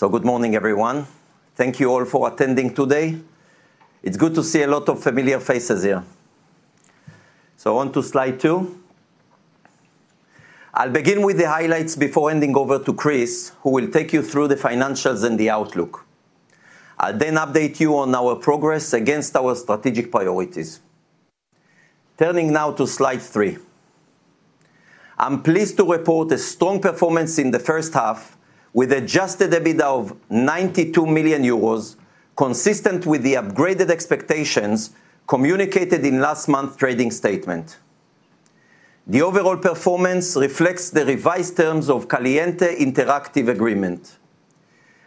Good morning, everyone. Thank you all for attending today. It's good to see a lot of familiar faces here. On to slide two. I'll begin with the highlights before handing over to Chris, who will take you through the financials and the outlook. I'll then update you on our progress against our strategic priorities. Turning now to slide three. I'm pleased to report a strong performance in the first half, with adjusted EBITDA of 92 million euros, consistent with the upgraded expectations communicated in last month's trading statement. The overall performance reflects the revised terms of the Caliente Interactive agreement.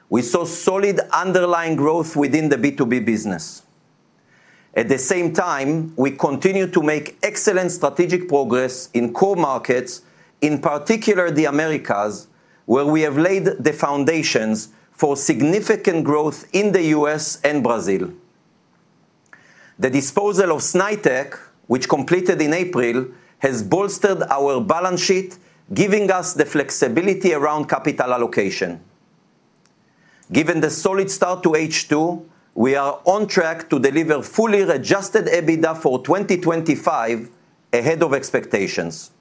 We saw solid underlying growth within the B2B business. At the same time, we continue to make excellent strategic progress in core markets, in particular the Americas, where we have laid the foundations for significant growth in the U.S. and Brazil. The disposal of Snaitech, which completed in April, has bolstered our balance sheet, giving us the flexibility around capital allocation. Given the solid start to H2, we are on track to deliver fully adjusted EBITDA for 2025, ahead of expectations.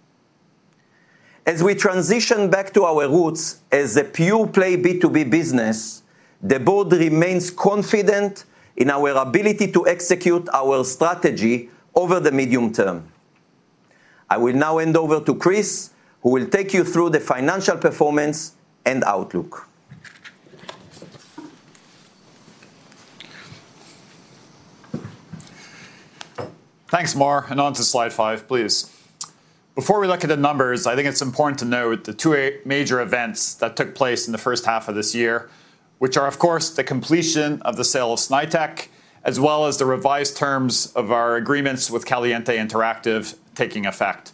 As we transition back to our roots as a pure-play B2B business, the Board remains confident in our ability to execute our strategy over the medium term. I will now hand over to Chris, who will take you through the financial performance and outlook. Thanks, Mor. On to slide five, please. Before we look at the numbers, I think it's important to note the two major events that took place in the first half of this year, which are, of course, the completion of the sale of Snaitech, as well as the revised terms of our agreements with Caliente Interactive taking effect.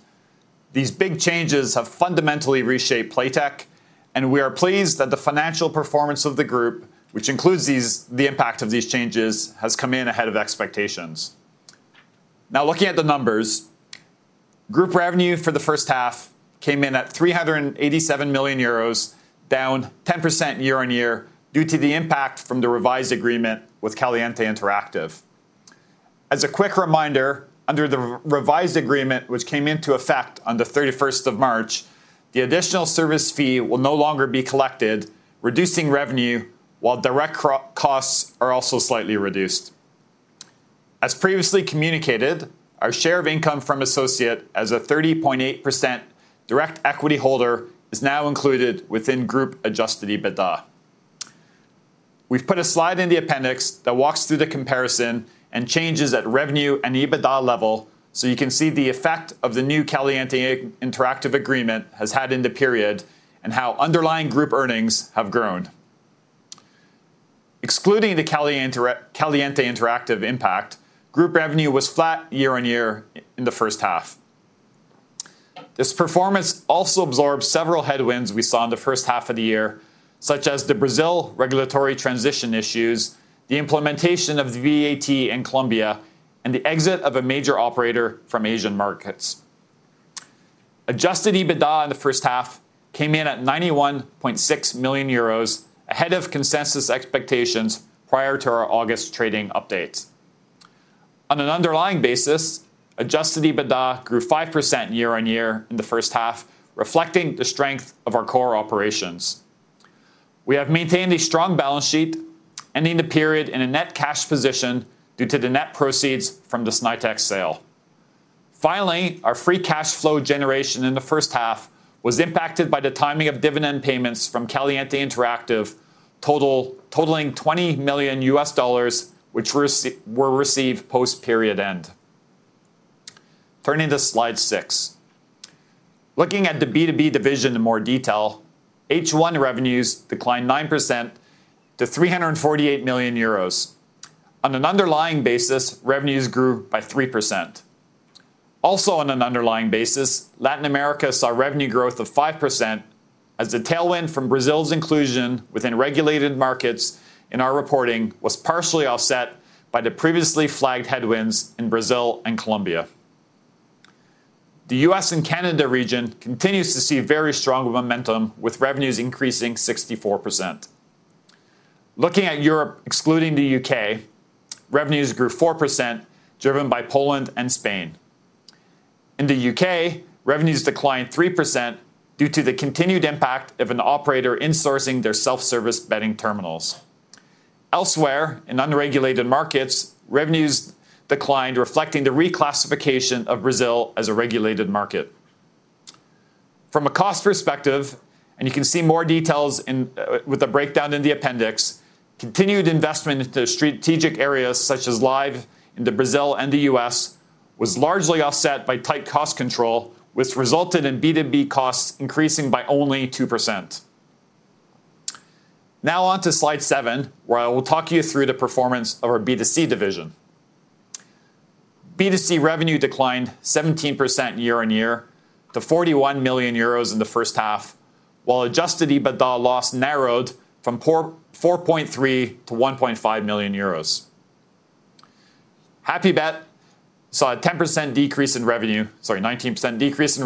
These big changes have fundamentally reshaped Playtech, and we are pleased that the financial performance of the group, which includes the impact of these changes, has come in ahead of expectations. Now, looking at the numbers, group revenue for the first half came in at 387 million euros, down 10% year-on-year due to the impact from the revised agreement with Caliente Interactive. As a quick reminder, under the revised agreement, which came into effect on the 31st of March, the additional service fee will no longer be collected, reducing revenue, while direct costs are also slightly reduced. As previously communicated, our share of income from associates as a 30.8% direct equity holder is now included within group-adjusted EBITDA. We've put a slide in the appendix that walks through the comparison and changes at revenue and EBITDA level, so you can see the effect the new Caliente Interactive agreement has had in the period and how underlying group earnings have grown. Excluding the Caliente Interactive impact, group revenue was flat year-on-year in the first half. This performance also absorbed several headwinds we saw in the first half of the year, such as the Brazil regulatory transition issues, the implementation of the VAT in Colombia, and the exit of a major operator from Asian markets. Adjusted EBITDA in the first half came in at 91.6 million euros, ahead of consensus expectations prior to our August trading update. On an underlying basis, adjusted EBITDA grew 5% year-on-year in the first half, reflecting the strength of our core operations. We have maintained a strong balance sheet, ending the period in a net cash position due to the net proceeds from the Snaitech sale. Finally, our free cash flow generation in the first half was impacted by the timing of dividend payments from Caliente Interactive, totaling EUR 20 million, which were received post-period end. Turning to slide six. Looking at the B2B division in more detail, H1 revenues declined 9% to 348 million euros. On an underlying basis, revenues grew by 3%. Also, on an underlying basis, Latin America saw revenue growth of 5%, as the tailwind from Brazil's inclusion within regulated markets in our reporting was partially offset by the previously flagged headwinds in Brazil and Colombia. The U.S. and Canada region continues to see very strong momentum, with revenues increasing 64%. Looking at Europe, excluding the U.K., revenues grew 4%, driven by Poland and Spain. In the U.K., revenues declined 3% due to the continued impact of an operator insourcing their self-service betting terminals. Elsewhere, in unregulated markets, revenues declined, reflecting the reclassification of Brazil as a regulated market. From a cost perspective, and you can see more details with a breakdown in the appendix, continued investment into strategic areas such as live in Brazil and the U.S. was largely offset by tight cost control, which resulted in B2B costs increasing by only 2%. Now on to slide seven, where I will talk you through the performance of our B2C division. B2C revenue declined 17% year-on-year to 41 million euros in the first half, while adjusted EBITDA loss narrowed from 4.3 million to 1.5 million euros. Happybet saw a 19% decrease in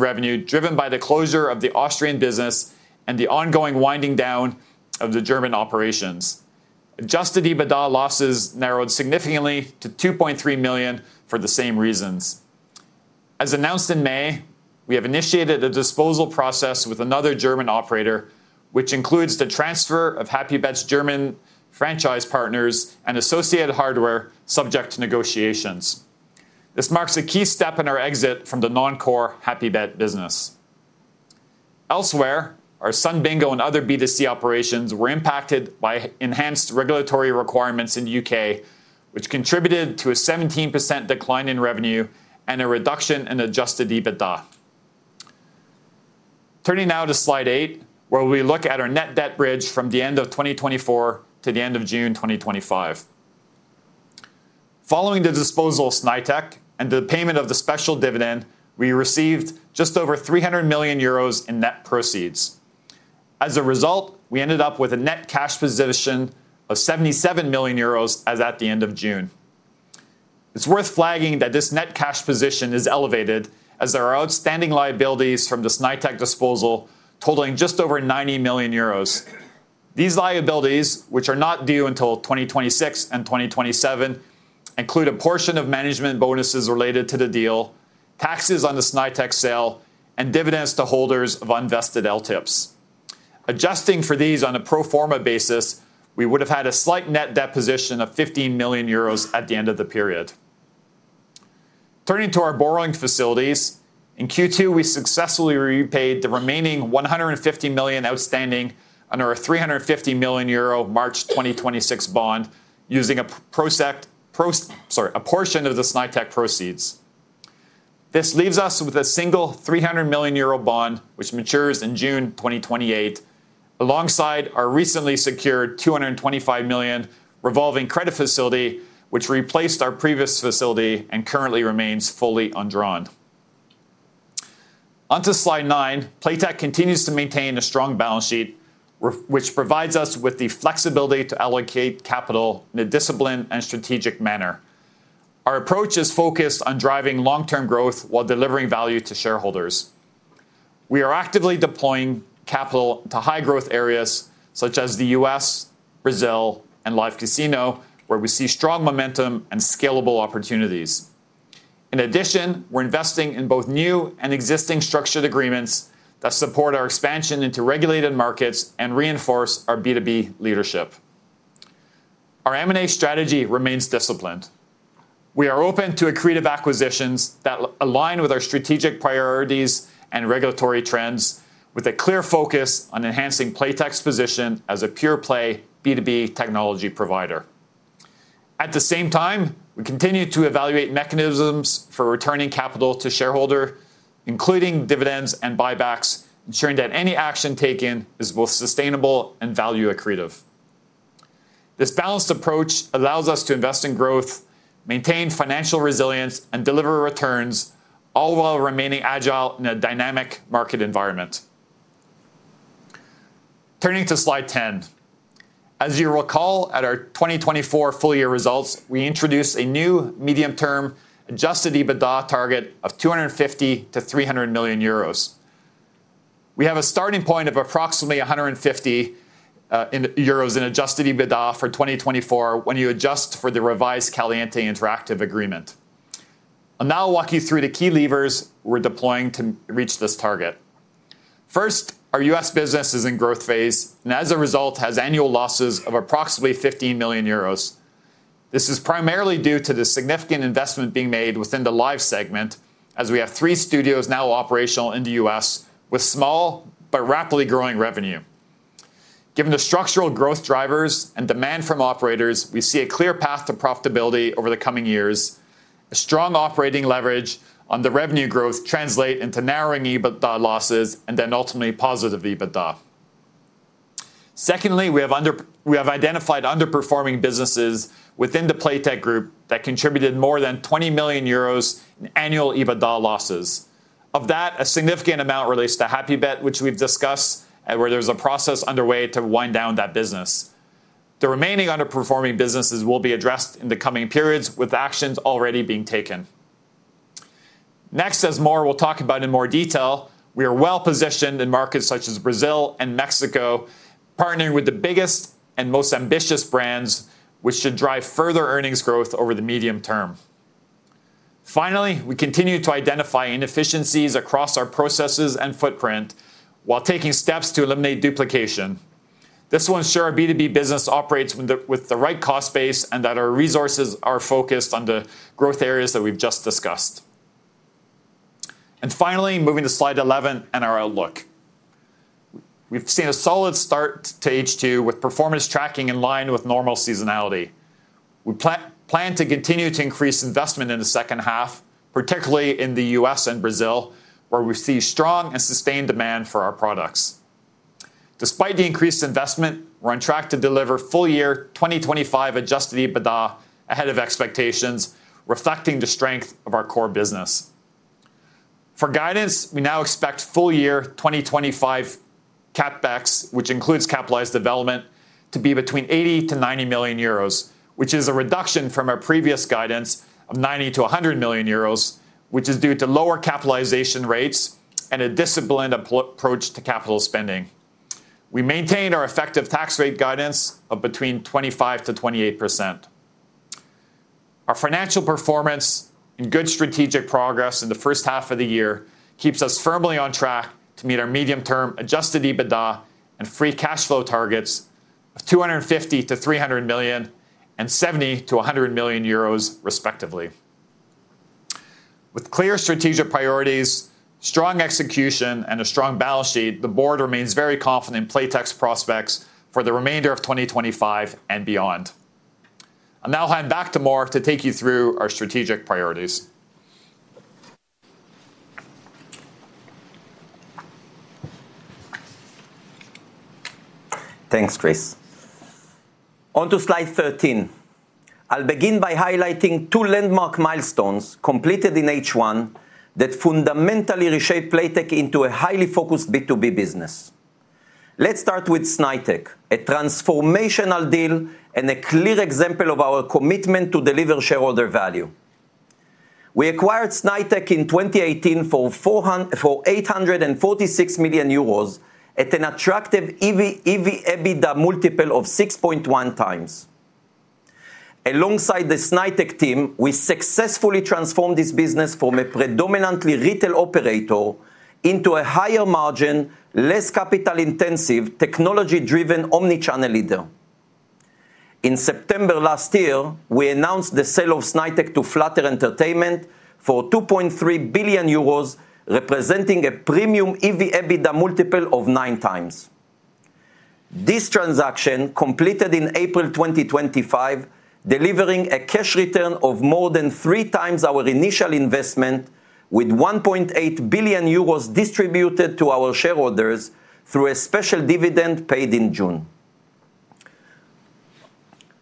revenue, driven by the closure of the Austrian business and the ongoing winding down of the German operations. Adjusted EBITDA losses narrowed significantly to 2.3 million for the same reasons. As announced in May, we have initiated a disposal process with another German operator, which includes the transfer of Happybet's German franchise partners and associated hardware subject to negotiations. This marks a key step in our exit from the non-core Happybet business. Elsewhere, our Sun Bingo and other B2C operations were impacted by enhanced regulatory requirements in the U.K., which contributed to a 17% decline in revenue and a reduction in adjusted EBITDA. Turning now to slide eight, where we look at our net debt bridge from the end of 2024 to the end of June 2025. Following the disposal of Snaitech and the payment of the special dividend, we received just over 300 million euros in net proceeds. As a result, we ended up with a net cash position of 77 million euros as at the end of June. It's worth flagging that this net cash position is elevated, as there are outstanding liabilities from the Snaitech disposal totaling just over 90 million euros. These liabilities, which are not due until 2026 and 2027, include a portion of management bonuses related to the deal, taxes on the Snaitech sale, and dividends to holders of unvested LTIPs. Adjusting for these on a pro forma basis, we would have had a slight net deposition of 15 million euros at the end of the period. Turning to our borrowing facilities, in Q2, we successfully repaid the remaining 150 million outstanding on our 350 million euro March 2026 bond, using a portion of the Snaitech proceeds. This leaves us with a single 300 million euro bond, which matures in June 2028, alongside our recently secured 225 million revolving credit facility, which replaced our previous facility and currently remains fully undrawn. On to slide nine, Playtech continues to maintain a strong balance sheet, which provides us with the flexibility to allocate capital in a disciplined and strategic manner. Our approach is focused on driving long-term growth while delivering value to shareholders. We are actively deploying capital to high-growth areas such as the U.S., Brazil, and live casino, where we see strong momentum and scalable opportunities. In addition, we're investing in both new and existing structured agreements that support our expansion into regulated markets and reinforce our B2B leadership. Our M&A strategy remains disciplined. We are open to creative acquisitions that align with our strategic priorities and regulatory trends, with a clear focus on enhancing Playtech's position as a pure-play B2B technology provider. At the same time, we continue to evaluate mechanisms for returning capital to shareholders, including dividends and buybacks, ensuring that any action taken is both sustainable and value accretive. This balanced approach allows us to invest in growth, maintain financial resilience, and deliver returns, all while remaining agile in a dynamic market environment. Turning to slide 10. As you recall, at our 2024 full-year results, we introduced a new medium-term adjusted EBITDA target of 250 million-300 million euros. We have a starting point of approximately 150 million euros in adjusted EBITDA for 2024 when you adjust for the revised Caliente Interactive Agreement. I'll now walk you through the key levers we're deploying to reach this target. First, our U.S. business is in growth phase and, as a result, has annual losses of approximately 15 million euros. This is primarily due to the significant investment being made within the live segment, as we have three studios now operational in the U.S., with small but rapidly growing revenue. Given the structural growth drivers and demand from operators, we see a clear path to profitability over the coming years. A strong operating leverage on the revenue growth translates into narrowing EBITDA losses and then ultimately positive EBITDA. Secondly, we have identified underperforming businesses within the Playtech group that contributed more than 20 million euros in annual EBITDA losses. Of that, a significant amount relates to Happybet, which we've discussed, and where there's a process underway to wind down that business. The remaining underperforming businesses will be addressed in the coming periods with actions already being taken. Next, as Mor will talk about in more detail, we are well positioned in markets such as Brazil and Mexico, partnering with the biggest and most ambitious brands, which should drive further earnings growth over the medium term. Finally, we continue to identify inefficiencies across our processes and footprint while taking steps to eliminate duplication. This will ensure our B2B business operates with the right cost base and that our resources are focused on the growth areas that we've just discussed. Finally, moving to slide 11 and our outlook. We've seen a solid start to H2 with performance tracking in line with normal seasonality. We plan to continue to increase investment in the second half, particularly in the U.S. and Brazil, where we see strong and sustained demand for our products. Despite the increased investment, we're on track to deliver full-year 2025 adjusted EBITDA ahead of expectations, reflecting the strength of our core business. For guidance, we now expect full-year 2025 CapEx, which includes capitalized development, to be between 80 million-90 million euros, which is a reduction from our previous guidance of 90 million-100 million euros, which is due to lower capitalization rates and a disciplined approach to capital spending. We maintain our effective tax rate guidance of between 25%-28%. Our financial performance and good strategic progress in the first half of the year keep us firmly on track to meet our medium-term adjusted EBITDA and free cash flow targets of 250 million-300 million and 70 million-100 million euros, respectively. With clear strategic priorities, strong execution, and a strong balance sheet, the Board remains very confident in Playtech's prospects for the remainder of 2025 and beyond. I'll now hand back to Mor to take you through our strategic priorities. Thanks, Chris. On to slide 13. I'll begin by highlighting two landmark milestones completed in H1 that fundamentally reshaped Playtech into a highly focused B2B business. Let's start with Snaitech, a transformational deal and a clear example of our commitment to deliver shareholder value. We acquired Snaitech in 2018 for 846 million euros at an attractive EBITDA multiple of 6.1x. Alongside the Snaitech team, we successfully transformed this business from a predominantly retail operator into a higher margin, less capital-intensive, technology-driven omnichannel leader. In September last year, we announced the sale of Snaitech to Flutter Entertainment for 2.3 billion euros, representing a premium EBITDA multiple of 9x. This transaction, completed in April 2025, delivered a cash return of more than 3x our initial investment, with 1.8 billion euros distributed to our shareholders through a special dividend paid in June.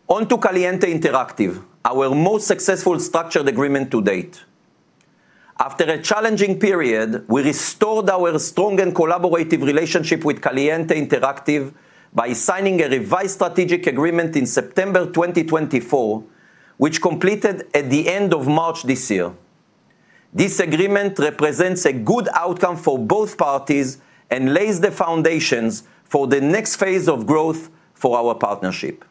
On to Caliente Interactive, our most successful structured agreement to date. After a challenging period, we restored our strong and collaborative relationship with Caliente Interactive by signing a revised strategic agreement in September 2024, which completed at the end of March this year. This agreement represents a good outcome for both parties and lays the foundations for the next phase of growth for our partnership.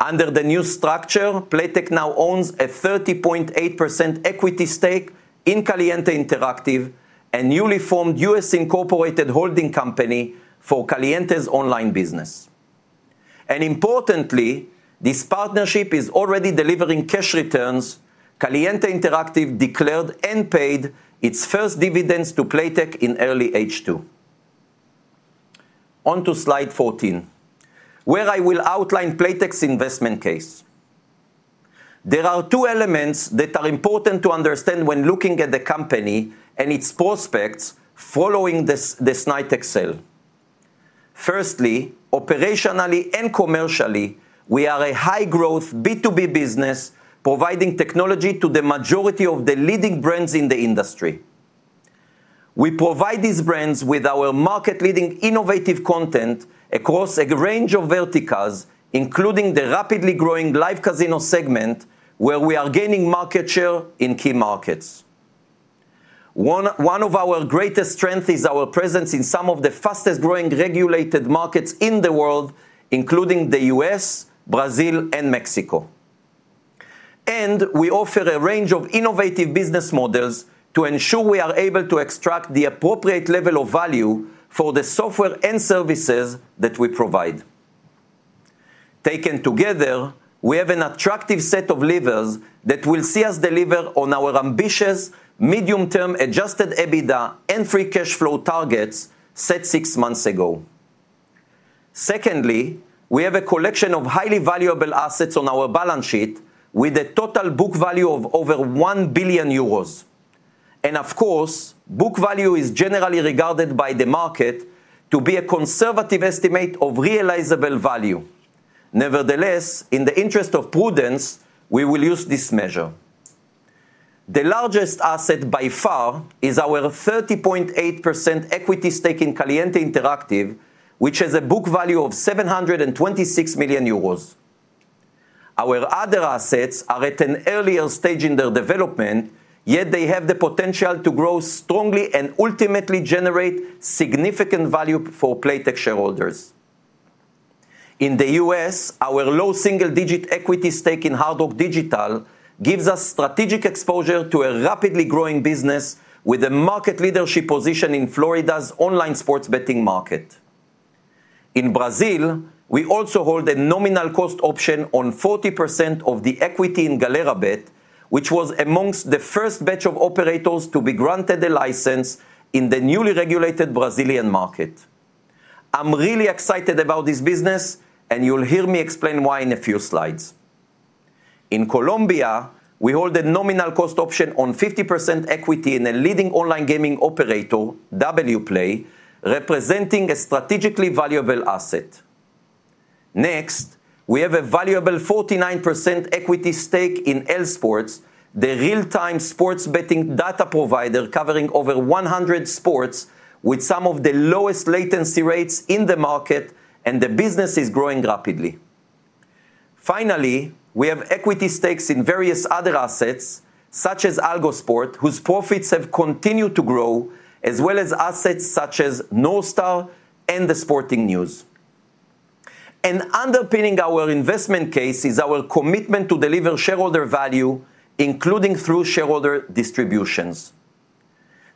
Under the new structure, Playtech now owns a 30.8% equity stake in Caliente Interactive and a newly formed U.S. incorporated holding company for Caliente's online business. Importantly, this partnership is already delivering cash returns. Caliente Interactive declared and paid its first dividends to Playtech in early H2. On to slide 14, where I will outline Playtech's investment case. There are two elements that are important to understand when looking at the company and its prospects following the Snaitech sale. Firstly, operationally and commercially, we are a high-growth B2B business providing technology to the majority of the leading brands in the industry. We provide these brands with our market-leading innovative content across a range of verticals, including the rapidly growing live casino segment, where we are gaining market share in key markets. One of our greatest strengths is our presence in some of the fastest-growing regulated markets in the world, including the U.S., Brazil, and Mexico. We offer a range of innovative business models to ensure we are able to extract the appropriate level of value for the software and services that we provide. Taken together, we have an attractive set of levers that will see us deliver on our ambitious medium-term adjusted EBITDA and free cash flow targets set six months ago. We have a collection of highly valuable assets on our balance sheet with a total book value of over 1 billion euros. Book value is generally regarded by the market to be a conservative estimate of realizable value. Nevertheless, in the interest of prudence, we will use this measure. The largest asset by far is our 30.8% equity stake in Caliente Interactive, which has a book value of 726 million euros. Our other assets are at an earlier stage in their development, yet they have the potential to grow strongly and ultimately generate significant value for Playtech shareholders. In the U.S., our low single-digit equity stake in Hard Rock Digital gives us strategic exposure to a rapidly growing business with a market leadership position in Florida's online sports betting market. In Brazil, we also hold a nominal cost option on 40% of the equity in Galera.bet, which was amongst the first batch of operators to be granted a license in the newly regulated Brazilian market. I'm really excited about this business, and you'll hear me explain why in a few slides. In Colombia, we hold a nominal cost option on 50% equity in a leading online gaming operator, Wplay, representing a strategically valuable asset. Next, we have a valuable 49% equity stake in LSports, the real-time sports betting data provider covering over 100 sports, with some of the lowest latency rates in the market, and the business is growing rapidly. We have equity stakes in various other assets, such as Algosport, whose profits have continued to grow, as well as assets such as Nostar and the Sporting News. Underpinning our investment case is our commitment to deliver shareholder value, including through shareholder distributions.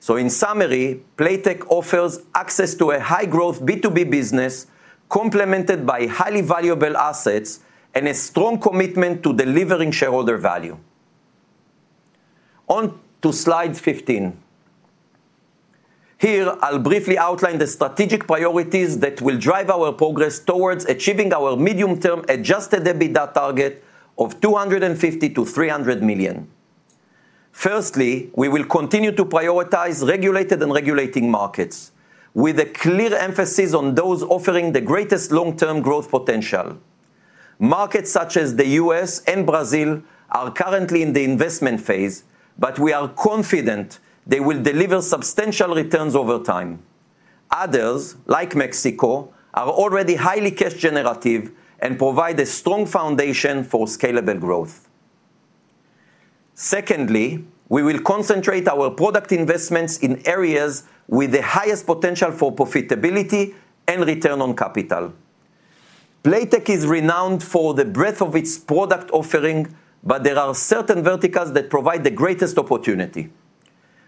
In summary, Playtech offers access to a high-growth B2B business complemented by highly valuable assets and a strong commitment to delivering shareholder value. On to slide 15. Here, I'll briefly outline the strategic priorities that will drive our progress towards achieving our medium-term adjusted EBITDA target of 250-300 million. Firstly, we will continue to prioritize regulated and regulating markets, with a clear emphasis on those offering the greatest long-term growth potential. Markets such as the U.S. and Brazil are currently in the investment phase, but we are confident they will deliver substantial returns over time. Others, like Mexico, are already highly cash-generative and provide a strong foundation for scalable growth. Secondly, we will concentrate our product investments in areas with the highest potential for profitability and return on capital. Playtech is renowned for the breadth of its product offering, but there are certain verticals that provide the greatest opportunity.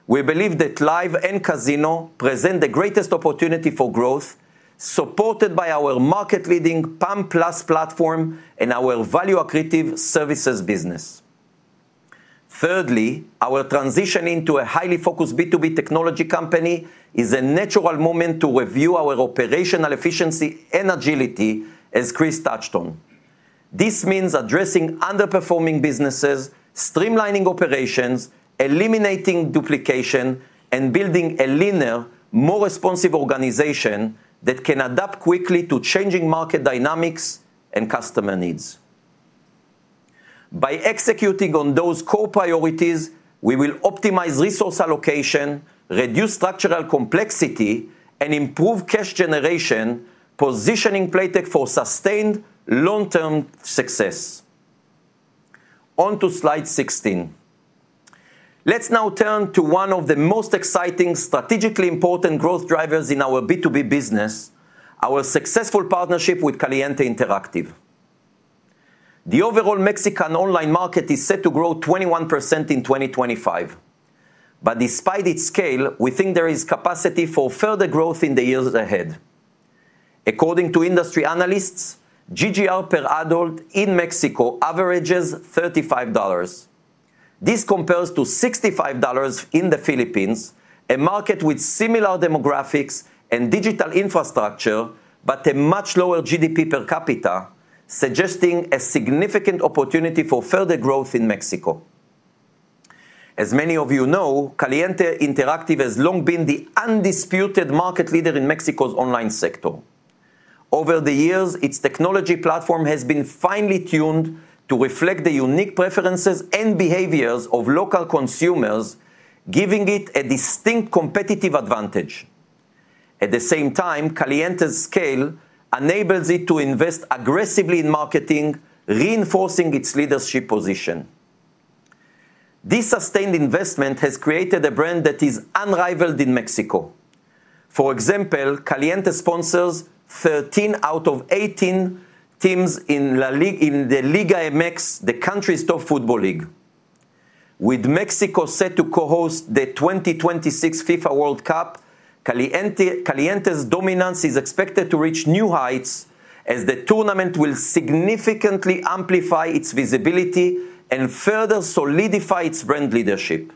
We believe that live casino and casino present the greatest opportunity for growth, supported by our market-leading PAM+ platform and our value accretive services business. Thirdly, our transition into a highly focused B2B technology company is a natural moment to review our operational efficiency and agility, as Chris touched on. This means addressing underperforming businesses, streamlining operations, eliminating duplication, and building a leaner, more responsive organization that can adapt quickly to changing market dynamics and customer needs. By executing on those core priorities, we will optimize resource allocation, reduce structural complexity, and improve cash generation, positioning Playtech for sustained long-term success. On to slide 16. Let's now turn to one of the most exciting, strategically important growth drivers in our B2B business, our successful partnership with Caliente Interactive. The overall Mexican online market is set to grow 21% in 2025. Despite its scale, we think there is capacity for further growth in the years ahead. According to industry analysts, GGR per adult in Mexico averages EUR 35. This compares to EUR 65 in the Philippines, a market with similar demographics and digital infrastructure, but a much lower GDP per capita, suggesting a significant opportunity for further growth in Mexico. As many of you know, Caliente Interactive has long been the undisputed market leader in Mexico's online sector. Over the years, its technology platform has been finely tuned to reflect the unique preferences and behaviors of local consumers, giving it a distinct competitive advantage. At the same time, Caliente's scale enables it to invest aggressively in marketing, reinforcing its leadership position. This sustained investment has created a brand that is unrivaled in Mexico. For example, Caliente sponsors 13 out of 18 teams in the Liga MX, the country's top football league. With Mexico set to co-host the 2026 FIFA World Cup, Caliente's dominance is expected to reach new heights, as the tournament will significantly amplify its visibility and further solidify its brand leadership.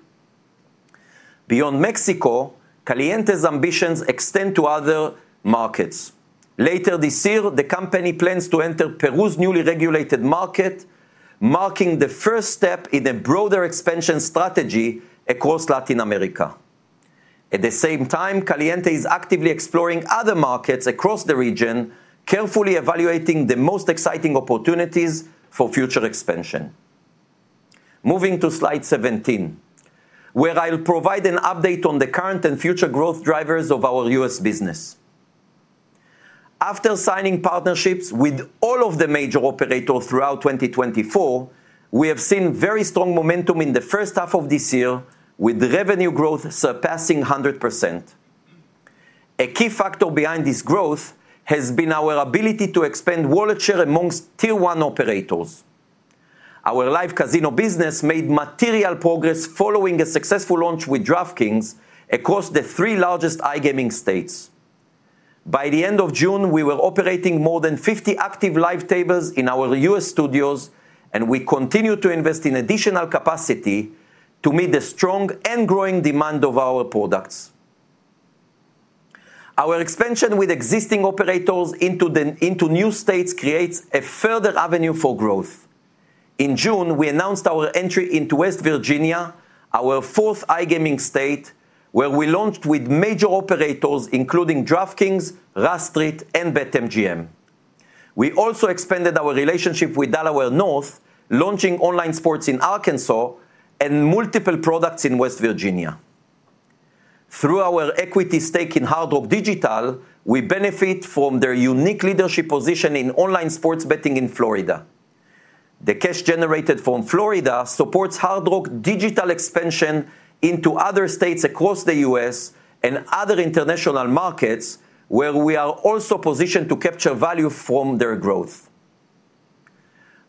Beyond Mexico, Caliente's ambitions extend to other markets. Later this year, the company plans to enter Peru's newly regulated market, marking the first step in a broader expansion strategy across Latin America. At the same time, Caliente is actively exploring other markets across the region, carefully evaluating the most exciting opportunities for future expansion. Moving to slide 17, where I'll provide an update on the current and future growth drivers of our U.S. business. After signing partnerships with all of the major operators throughout 2024, we have seen very strong momentum in the first half of this year, with revenue growth surpassing 100%. A key factor behind this growth has been our ability to expand wallet share amongst tier 1 operators. Our live casino business made material progress following a successful launch with DraftKings across the three largest iGaming states. By the end of June, we were operating more than 50 active live tables in our U.S. studios, and we continue to invest in additional capacity to meet the strong and growing demand of our products. Our expansion with existing operators into new states creates a further avenue for growth. In June, we announced our entry into West Virginia, our fourth iGaming state, where we launched with major operators, including DraftKings, RA Street, and BetMGM. We also expanded our relationship with Delaware North, launching online sports in Arkansas and multiple products in West Virginia. Through our equity stake in Hard Rock Digital, we benefit from their unique leadership position in online sports betting in Florida. The cash generated from Florida supports Hard Rock Digital's expansion into other states across the U.S. and other international markets, where we are also positioned to capture value from their growth.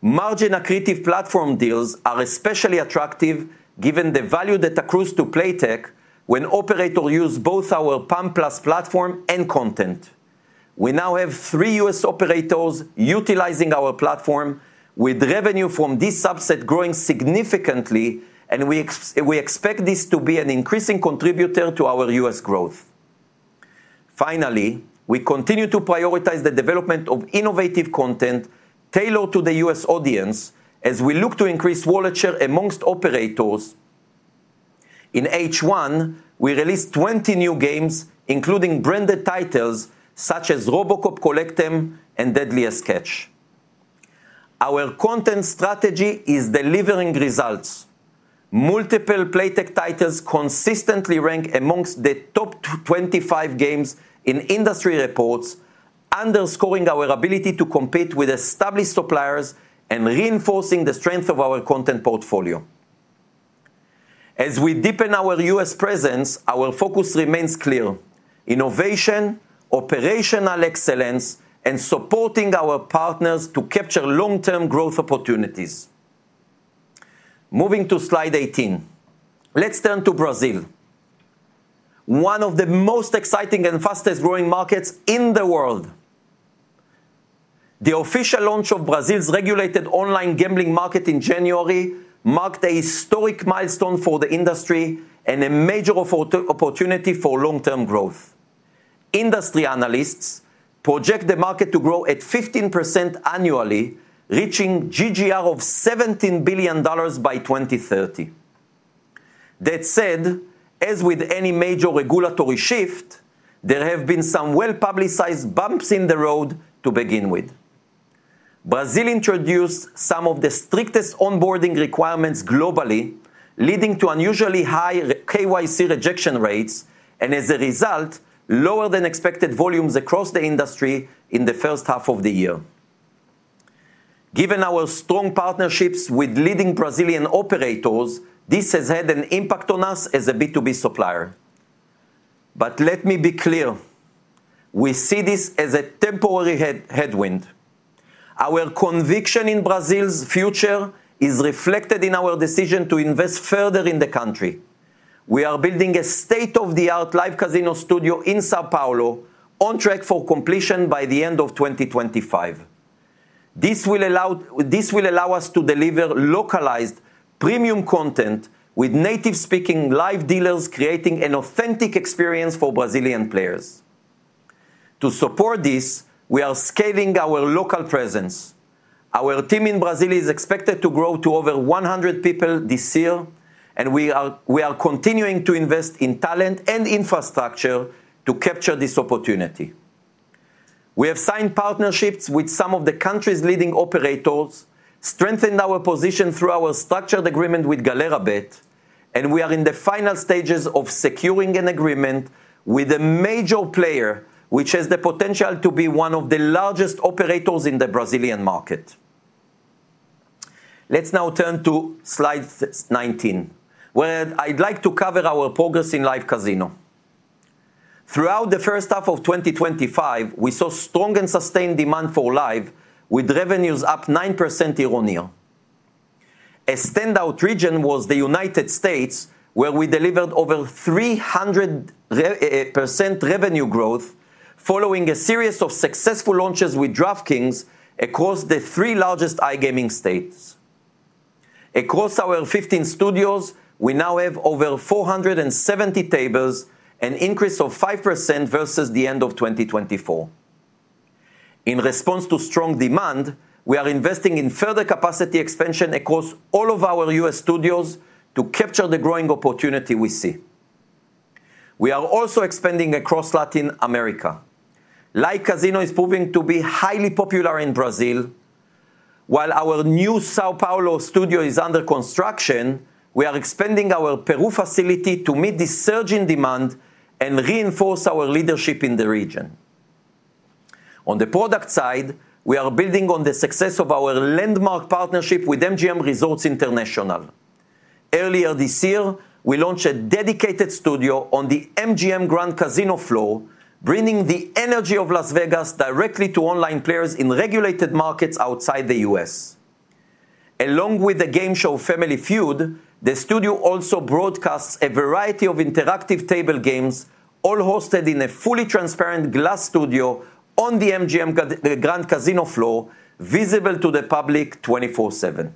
Margin accretive platform deals are especially attractive given the value that accrues to Playtech when operators use both our PAM+ platform and content. We now have three U.S. operators utilizing our platform, with revenue from this subset growing significantly, and we expect this to be an increasing contributor to our U.S. growth. Finally, we continue to prioritize the development of innovative content tailored to the U.S. audience, as we look to increase wallet share amongst operators. In H1, we released 20 new games, including branded titles such as Robocop: Collect'em and Deadliest Catch. Our content strategy is delivering results. Multiple Playtech titles consistently rank amongst the top 25 games in industry reports, underscoring our ability to compete with established suppliers and reinforcing the strength of our content portfolio. As we deepen our U.S. presence, our focus remains clear: innovation, operational excellence, and supporting our partners to capture long-term growth opportunities. Moving to slide 18, let's turn to Brazil, one of the most exciting and fastest-growing markets in the world. The official launch of Brazil's regulated online gambling market in January marked a historic milestone for the industry and a major opportunity for long-term growth. Industry analysts project the market to grow at 15% annually, reaching GGR of EUR 17 billion by 2030. That said, as with any major regulatory shift, there have been some well-publicized bumps in the road to begin with. Brazil introduced some of the strictest onboarding requirements globally, leading to unusually high KYC rejection rates and, as a result, lower than expected volumes across the industry in the first half of the year. Given our strong partnerships with leading Brazilian operators, this has had an impact on us as a B2B supplier. Let me be clear: we see this as a temporary headwind. Our conviction in Brazil's future is reflected in our decision to invest further in the country. We are building a state-of-the-art live casino studio in São Paulo, on track for completion by the end of 2025. This will allow us to deliver localized, premium content with native-speaking live dealers creating an authentic experience for Brazilian players. To support this, we are scaling our local presence. Our team in Brazil is expected to grow to over 100 people this year, and we are continuing to invest in talent and infrastructure to capture this opportunity. We have signed partnerships with some of the country's leading operators, strengthened our position through our structured agreement with Galera.bet, and we are in the final stages of securing an agreement with a major player, which has the potential to be one of the largest operators in the Brazilian market. Let's now turn to slide 19, where I'd like to cover our progress in live casino. Throughout the first half of 2025, we saw strong and sustained demand for live, with revenues up 9% year-on-year. A standout region was the U.S., where we delivered over 300% revenue growth following a series of successful launches with DraftKings across the three largest iGaming states. Across our 15 studios, we now have over 470 tables, an increase of 5% versus the end of 2024. In response to strong demand, we are investing in further capacity expansion across all of our U.S. studios to capture the growing opportunity we see. We are also expanding across Latin America. Live casino is proving to be highly popular in Brazil. While our new São Paulo studio is under construction, we are expanding our Peru facility to meet the surge in demand and reinforce our leadership in the region. On the product side, we are building on the success of our landmark partnership with MGM Resorts International. Earlier this year, we launched a dedicated studio on the MGM Grand Casino floor, bringing the energy of Las Vegas directly to online players in regulated markets outside the U.S. Along with the game show Family Feud, the studio also broadcasts a variety of interactive table games, all hosted in a fully transparent glass studio on the MGM Grand Casino floor, visible to the public 24/7.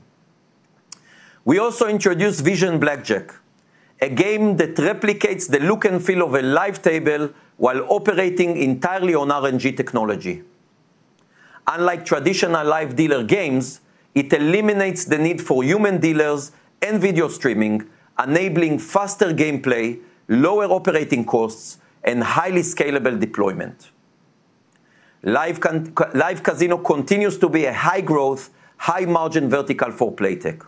We also introduced Vision Blackjack, a game that replicates the look and feel of a live table while operating entirely on RNG technology. Unlike traditional live dealer games, it eliminates the need for human dealers and video streaming, enabling faster gameplay, lower operating costs, and highly scalable deployment. Live casino continues to be a high-growth, high-margin vertical for Playtech.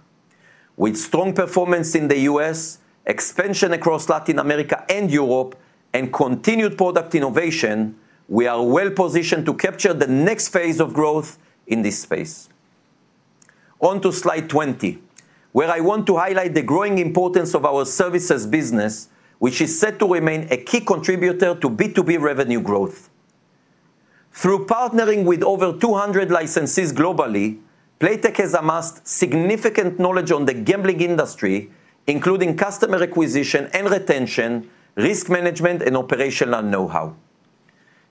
With strong performance in the U.S., expansion across Latin America and Europe, and continued product innovation, we are well positioned to capture the next phase of growth in this space. On to slide 20, where I want to highlight the growing importance of our services business, which is set to remain a key contributor to B2B revenue growth. Through partnering with over 200 licensees globally, Playtech has amassed significant knowledge on the gambling industry, including customer acquisition and retention, risk management, and operational know-how.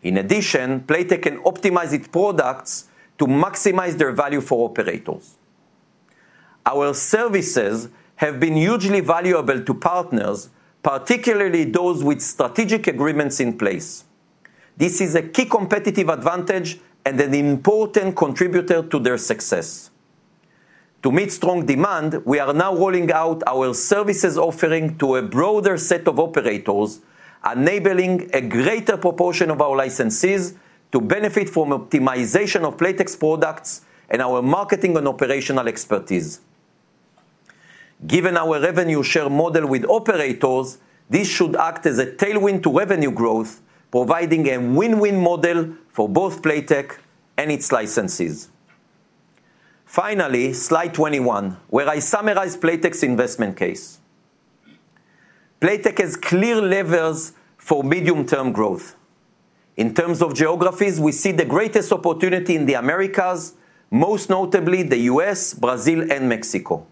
In addition, Playtech can optimize its products to maximize their value for operators. Our services have been hugely valuable to partners, particularly those with strategic agreements in place. This is a key competitive advantage and an important contributor to their success. To meet strong demand, we are now rolling out our services offering to a broader set of operators, enabling a greater proportion of our licensees to benefit from optimization of Playtech's products and our marketing and operational expertise. Given our revenue share model with operators, this should act as a tailwind to revenue growth, providing a win-win model for both Playtech and its licensees. Finally, slide 21, where I summarize Playtech's investment case. Playtech has clear levers for medium-term growth. In terms of geographies, we see the greatest opportunity in the Americas, most notably the U.S., Brazil, and Mexico.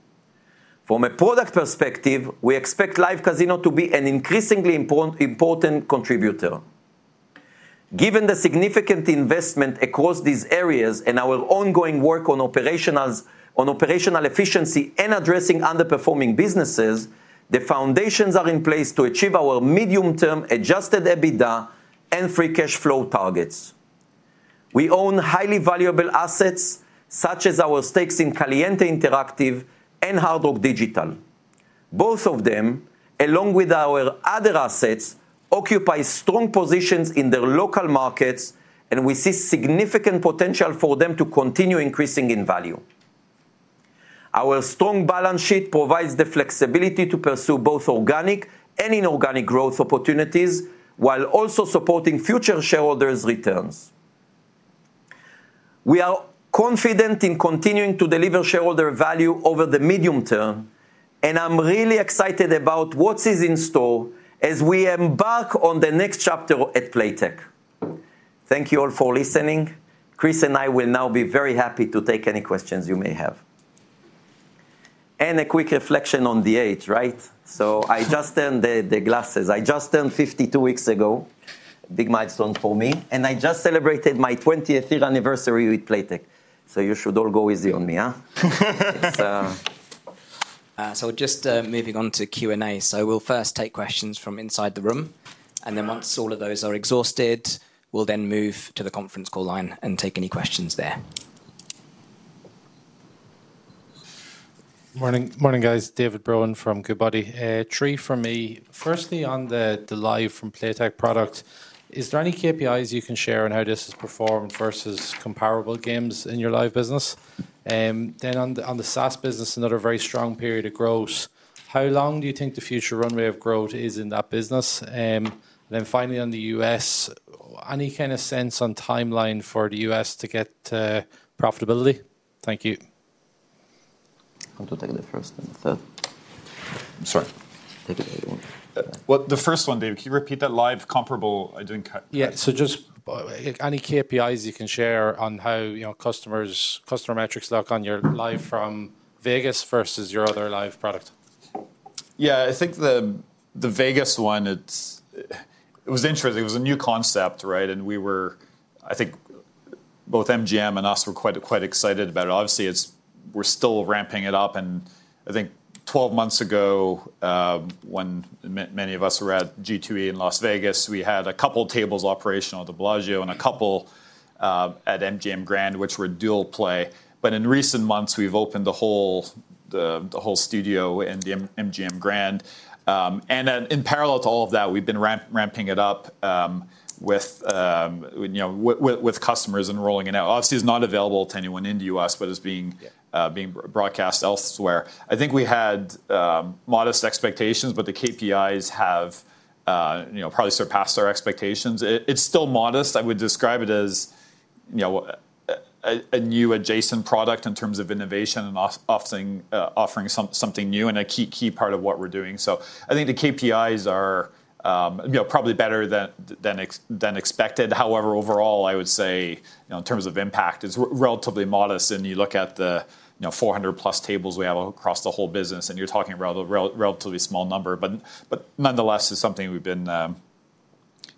From a product perspective, we expect live casino to be an increasingly important contributor. Given the significant investment across these areas and our ongoing work on operational efficiency and addressing underperforming businesses, the foundations are in place to achieve our medium-term adjusted EBITDA and free cash flow targets. We own highly valuable assets such as our stakes in Caliente Interactive and Hard Rock Digital. Both of them, along with our other assets, occupy strong positions in their local markets, and we see significant potential for them to continue increasing in value. Our strong balance sheet provides the flexibility to pursue both organic and inorganic growth opportunities, while also supporting future shareholders' returns. We are confident in continuing to deliver shareholder value over the medium term, and I'm really excited about what is in store as we embark on the next chapter at Playtech. Thank you all for listening. Chris and I will now be very happy to take any questions you may have. A quick reflection on the age, right? I just turned the glasses. I just turned 52 weeks ago, a big milestone for me, and I just celebrated my 20th year anniversary with Playtech. You should all go easy on me. Moving on to Q&A, we'll first take questions from inside the room. Once all of those are exhausted, we'll then move to the conference call line and take any questions there. Morning, morning guys. David Brohan from Goodbody. Three for me. Firstly, on the live casino from Playtech products, is there any KPIs you can share on how this has performed versus comparable games in your live business? On the SaaS business, another very strong period of growth. How long do you think the future runway of growth is in that business? Finally, on the U.S., any kind of sense on timeline for the U.S. to get to profitability? Thank you. I'll go take the first one. I'm sorry. Take it. The first one, David, can you repeat that live casino comparable? I didn't catch it. Yeah, just any KPIs you can share on how, you know, customers, customer metrics look on your live from Vegas versus your other live product. Yeah, I think the Vegas one, it was interesting. It was a new concept, right? We were, I think both MGM Resorts and us were quite excited about it. Obviously, we're still ramping it up. I think 12 months ago, when many of us were at G2E in Las Vegas, we had a couple tables operational at the Bellagio and a couple at MGM Grand, which were dual play. In recent months, we've opened the whole studio in the MGM Grand. In parallel to all of that, we've been ramping it up with customers and rolling it out. Obviously, it's not available to anyone in the U.S., but it's being broadcast elsewhere. I think we had modest expectations, but the KPIs have probably surpassed our expectations. It's still modest. I would describe it as a new adjacent product in terms of innovation and offering something new and a key part of what we're doing. I think the KPIs are probably better than expected. However, overall, I would say in terms of impact, it's relatively modest. You look at the 400+ tables we have across the whole business, and you're talking about a relatively small number. Nonetheless, it's something we've been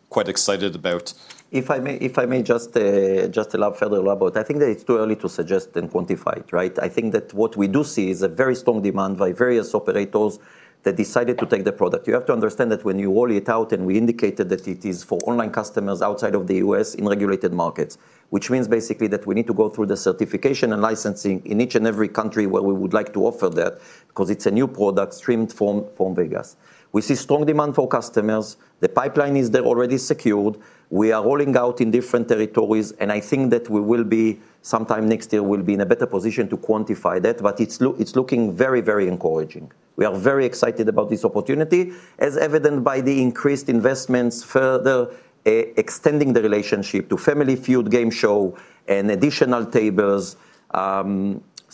quite excited about. If I may just elaborate a little about it, I think that it's too early to suggest and quantify it, right? I think that what we do see is a very strong demand by various operators that decided to take the product. You have to understand that when you roll it out, and we indicated that it is for online customers outside of the U.S. in regulated markets, which means basically that we need to go through the certification and licensing in each and every country where we would like to offer that because it's a new product streamed from Vegas. We see strong demand for customers. The pipeline is there already secured. We are rolling out in different territories, and I think that we will be sometime next year, we'll be in a better position to quantify that, but it's looking very, very encouraging. We are very excited about this opportunity, as evident by the increased investments further extending the relationship to Family Feud game show and additional tables.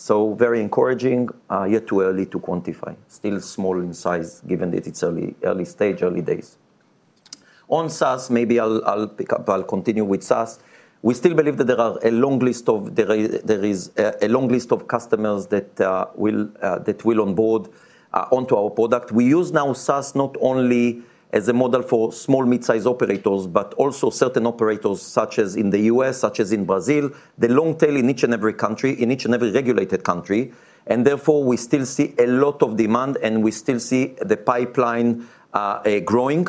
Very encouraging, yet too early to quantify. Still small in size, given that it's early stage, early days. On SaaS, maybe I'll pick up, I'll continue with SaaS. We still believe that there is a long list of customers that will onboard onto our product. We use now SaaS not only as a model for small, mid-size operators, but also certain operators, such as in the U.S., such as in Brazil, the long tail in each and every country, in each and every regulated country. Therefore, we still see a lot of demand, and we still see the pipeline growing.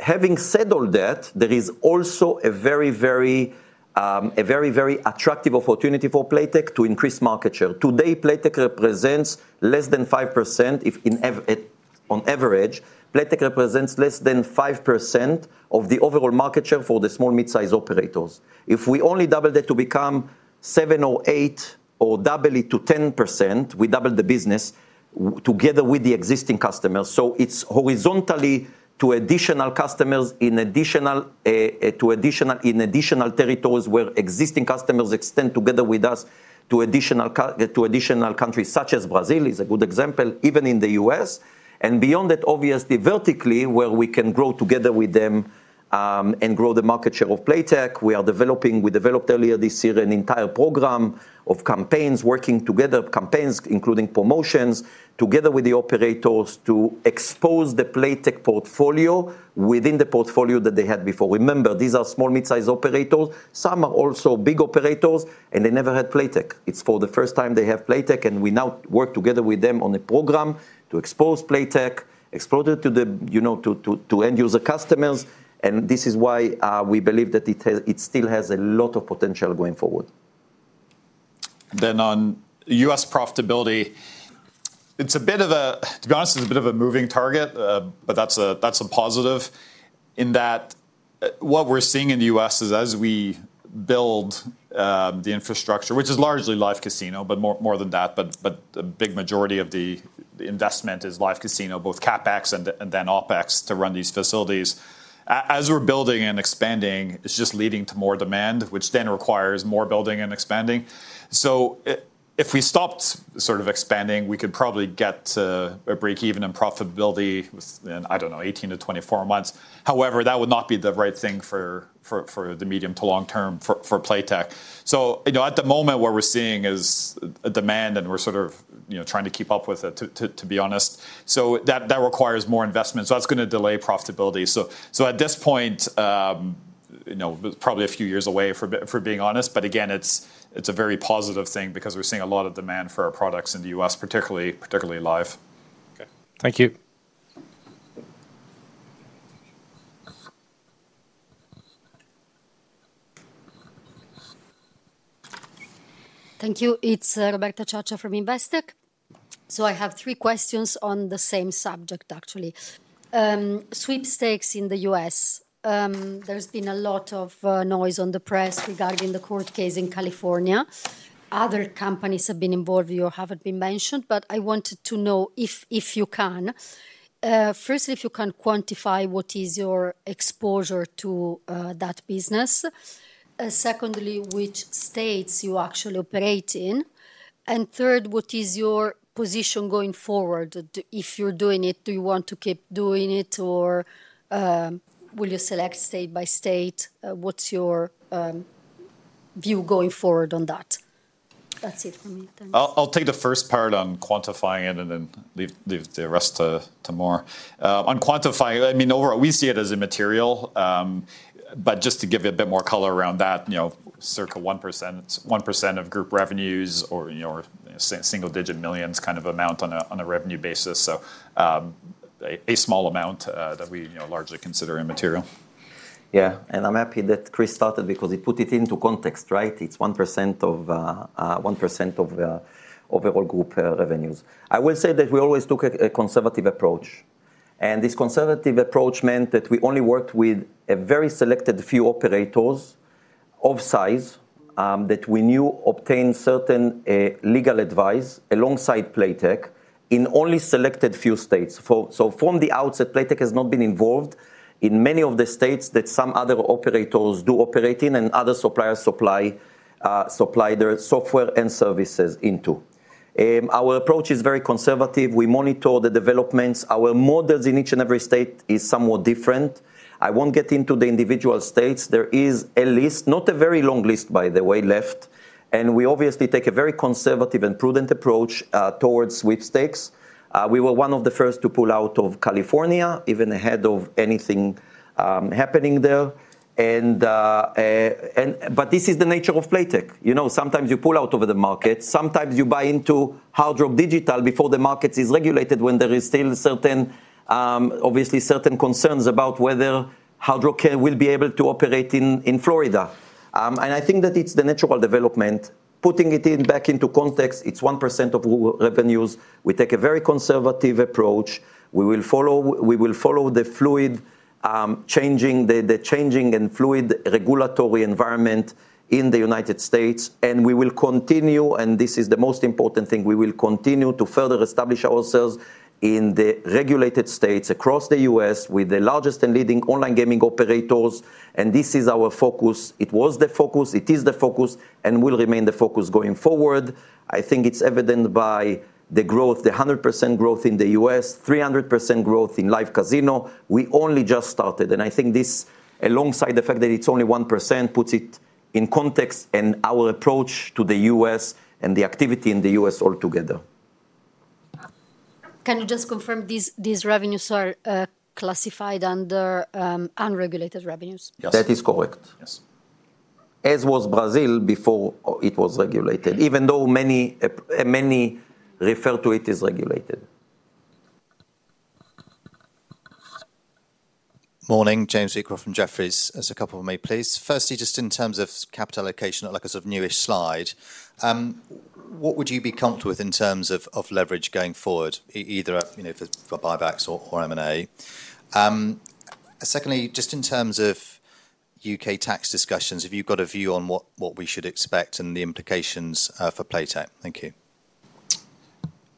Having said all that, there is also a very, very attractive opportunity for Playtech to increase market share. Today, Playtech represents less than 5% on average. Playtech represents less than 5% of the overall market share for the small, mid-size operators. If we only double that to become 7% or 8%, or double it to 10%, we double the business together with the existing customers. It's horizontally to additional customers in additional territories where existing customers extend together with us to additional countries, such as Brazil is a good example, even in the U.S. Beyond that, obviously, vertically, where we can grow together with them and grow the market share of Playtech. We are developing, we developed earlier this year an entire program of campaigns, working together, campaigns, including promotions, together with the operators to expose the Playtech portfolio within the portfolio that they had before. Remember, these are small, mid-size operators. Some are also big operators, and they never had Playtech. It's for the first time they have Playtech, and we now work together with them on a program to expose Playtech, expose it to the, you know, to end-user customers. This is why we believe that it still has a lot of potential going forward. On U.S. profitability, it's a bit of a, to be honest, it's a bit of a moving target, but that's a positive in that what we're seeing in the U.S. is as we build the infrastructure, which is largely live casino, but more than that, but a big majority of the investment is live casino, both CapEx and then OpEx to run these facilities. As we're building and expanding, it's just leading to more demand, which then requires more building and expanding. If we stopped sort of expanding, we could probably get to a break-even in profitability within, I don't know, 18-24 months. However, that would not be the right thing for the medium to long term for Playtech. At the moment what we're seeing is a demand, and we're sort of, you know, trying to keep up with it, to be honest. That requires more investment. That's going to delay profitability. At this point, probably a few years away, for being honest, but again, it's a very positive thing because we're seeing a lot of demand for our products in the U.S., particularly live. Okay. Thank you. Thank you. It's Roberta Ciaccia from Investec. I have three questions on the same subject, actually. Sweepstakes in the U.S. There's been a lot of noise in the press regarding the court case in California. Other companies have been involved. You haven't been mentioned, but I wanted to know if you can. First, if you can quantify what is your exposure to that business. Secondly, which states you actually operate in. Third, what is your position going forward? If you're doing it, do you want to keep doing it, or will you select state by state? What's your view going forward on that? That's it for me. I'll take the first part on quantifying it, and then leave the rest to Mor. On quantifying, I mean, overall, we see it as immaterial. Just to give you a bit more color around that, you know, circa 1% of group revenues or, you know, single-digit millions kind of amount on a revenue basis. A small amount that we, you know, largely consider immaterial. Yeah, and I'm happy that Chris started because he put it into context, right? It's 1% of overall group revenues. I will say that we always took a conservative approach. This conservative approach meant that we only worked with a very selected few operators of size that we knew obtained certain legal advice alongside Playtech in only selected few states. From the outset, Playtech has not been involved in many of the states that some other operators do operate in and other suppliers supply their software and services into. Our approach is very conservative. We monitor the developments. Our models in each and every state are somewhat different. I won't get into the individual states. There is a list, not a very long list, by the way, left. We obviously take a very conservative and prudent approach towards sweepstakes. We were one of the first to pull out of California, even ahead of anything happening there. This is the nature of Playtech. Sometimes you pull out of the market. Sometimes you buy into Hard Rock Digital before the market is regulated when there are still certain, obviously, certain concerns about whether Hard Rock will be able to operate in Florida. I think that it's the natural development. Putting it back into context, it's 1% of revenues. We take a very conservative approach. We will follow the fluid changing and fluid regulatory environment in the U.S. We will continue, and this is the most important thing, we will continue to further establish ourselves in the regulated states across the U.S. with the largest and leading online gaming operators. This is our focus. It was the focus, it is the focus, and will remain the focus going forward. I think it's evident by the growth, the 100% growth in the U.S., 300% growth in live casino. We only just started. I think this, alongside the fact that it's only 1%, puts it in context and our approach to the U.S. and the activity in the U.S. altogether. Can you just confirm these revenues are classified under unregulated revenues? Yes, that is correct. as was Brazil before it was regulated, even though many refer to it as regulated. Morning, James Wheatcroft from Jefferies. There's a couple for me, please. Firstly, just in terms of capital allocation, like a sort of newish slide, what would you be comfortable with in terms of leverage going forward, either for buybacks or M&A? Secondly, just in terms of U.K. tax discussions, have you got a view on what we should expect and the implications for Playtech? Thank you.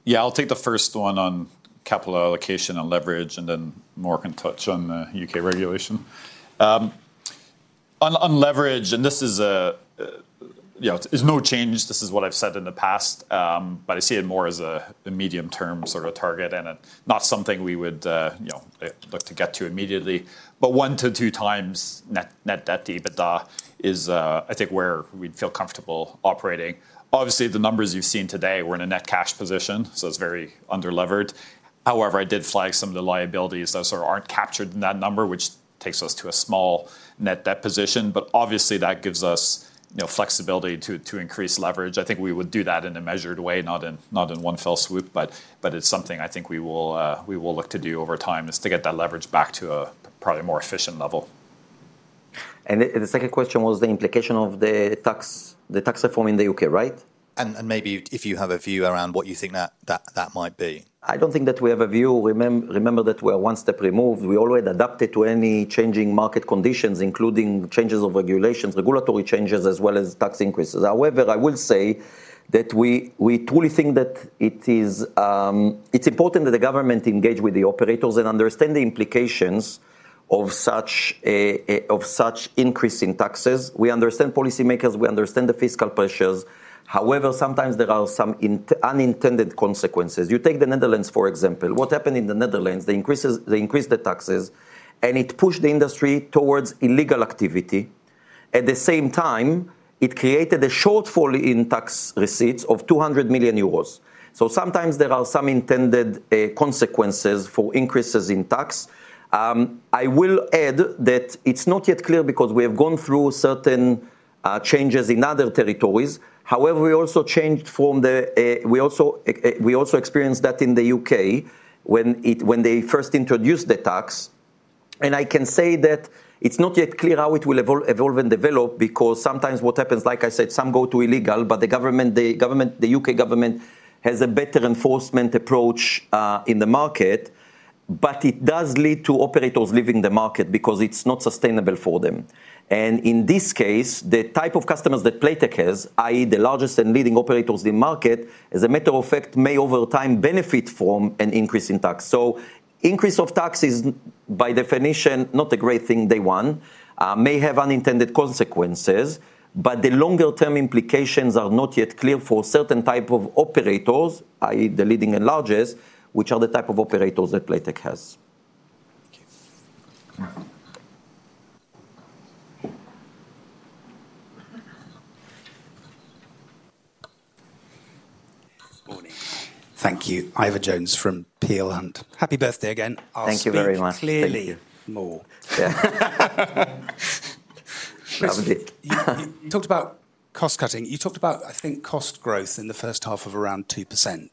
Yeah, I'll take the first one on capital allocation and leverage, and then Mor can touch on the U.K. regulation. On leverage, there's no change. This is what I've said in the past, but I see it more as a medium-term sort of target and not something we would look to get to immediately. 1x-2x net debt to EBITDA is, I think, where we'd feel comfortable operating. Obviously, the numbers you've seen today, we're in a net cash position, so it's very under-levered. However, I did flag some of the liabilities that aren't captured in that number, which takes us to a small net debt position. That gives us flexibility to increase leverage. I think we would do that in a measured way, not in one fell swoop, but it's something I think we will look to do over time to get that leverage back to a probably more efficient level. The second question was the implication of the tax reform in the U.K., right? If you have a view around what you think that might be, please share it. I don't think that we have a view. Remember that we are one step removed. We already adapted to any changing market conditions, including changes of regulations, regulatory changes, as well as tax increases. However, I will say that we truly think that it's important that the government engage with the operators and understand the implications of such increasing taxes. We understand policymakers, we understand the fiscal pressures. However, sometimes there are some unintended consequences. You take the Netherlands, for example. What happened in the Netherlands? They increased the taxes, and it pushed the industry towards illegal activity. At the same time, it created a shortfall in tax receipts of 200 million euros. Sometimes there are some intended consequences for increases in tax. I will add that it's not yet clear because we have gone through certain changes in other territories. We also changed from the, we also experienced that in the U.K. when they first introduced the tax. I can say that it's not yet clear how it will evolve and develop because sometimes what happens, like I said, some go to illegal, but the government, the U.K. government, has a better enforcement approach in the market. It does lead to operators leaving the market because it's not sustainable for them. In this case, the type of customers that Playtech has, i.e., the largest and leading operators in the market, as a matter of fact, may over time benefit from an increase in tax. Increase of tax is, by definition, not a great thing day one. May have unintended consequences, but the longer-term implications are not yet clear for certain types of operators, i.e., the leading and largest, which are the type of operators that Playtech has. Thank you. Ivor Jones from Peel Hunt and happy birthday again. Thank you very much. Clearly more. You talked about cost cutting. You talked about, I think, cost growth in the first half of around 2%.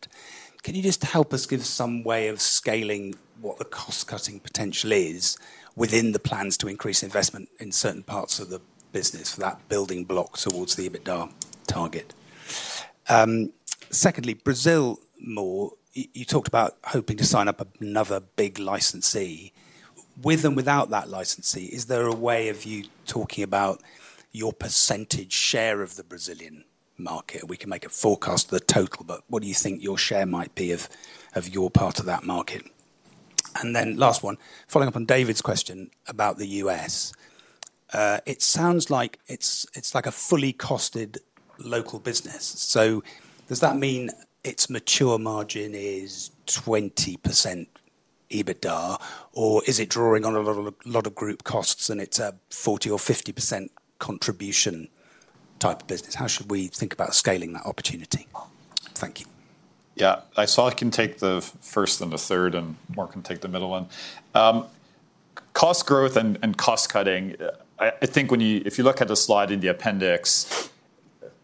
Can you just help us give some way of scaling what the cost cutting potential is within the plans to increase investment in certain parts of the business for that building block towards the EBITDA target? Secondly, Brazil Mor. You talked about hoping to sign up another big licensee. With and without that licensee, is there a way of you talking about your percantage share of the Brazilian market? We can make a forecast of the total, but what do you think your share might be of your part of that market? Then last one, following up on David's question about the U.S. It sounds like it's like a fully costed local business. Does that mean its mature margin is 20% EBITDA, or is it drawing on a lot of group costs and it's a 40% or 50% contribution type of business? How should we think about scaling that opportunity? Thank you. Yeah, I can take the first and the third, and Mor can take the middle one. Cost growth and cost cutting, I think if you look at the slide in the appendix,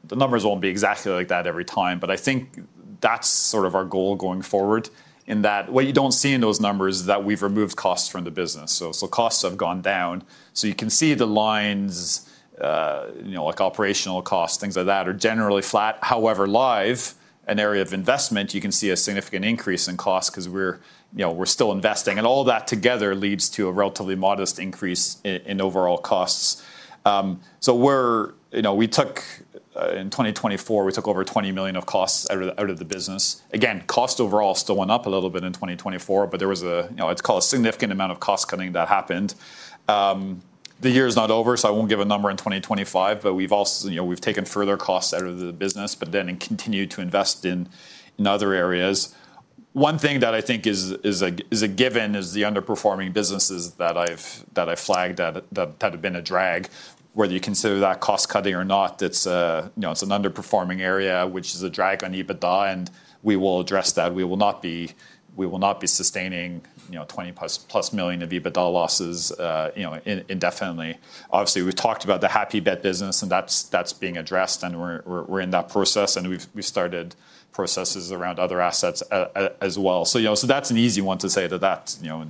the numbers won't be exactly like that every time, but I think that's sort of our goal going forward in that what you don't see in those numbers is that we've removed costs from the business. Costs have gone down. You can see the lines, you know, like operational costs, things like that are generally flat. However, live, an area of investment, you can see a significant increase in costs because we're, you know, we're still investing, and all of that together leads to a relatively modest increase in overall costs. We're, you know, we took in 2024, we took over 20 million of costs out of the business. Again, cost overall still went up a little bit in 2024, but there was a, you know, it's called a significant amount of cost cutting that happened. The year is not over, so I won't give a number in 2025, but we've also, you know, we've taken further costs out of the business, but then continued to invest in other areas. One thing that I think is a given is the underperforming businesses that I've flagged that have been a drag. Whether you consider that cost cutting or not, it's an underperforming area, which is a drag on EBITDA, and we will address that. We will not be sustaining, you know, 20+ million of EBITDA losses, you know, indefinitely. Obviously, we've talked about the Happybet business, and that's being addressed, and we're in that process, and we've started processes around other assets as well. That's an easy one to say to that, you know,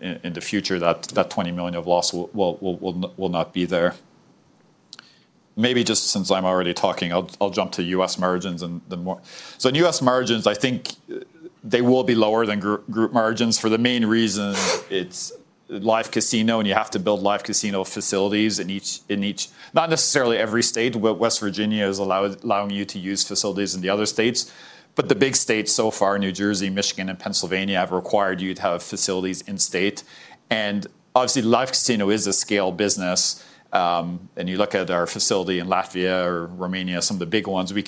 in the future that 20 million of loss will not be there. Maybe just since I'm already talking, I'll jump to U.S. margins and the more. In U.S. margins, I think they will be lower than group margins for the main reason it's live casino, and you have to build live casino facilities in each, not necessarily every state. West Virginia is allowing you to use facilities in the other states, but the big states so far, New Jersey, Michigan, and Pennsylvania, have required you to have facilities in state. Obviously, live casino is a scale business, and you look at our facility in Latvia or Romania, some of the big ones, we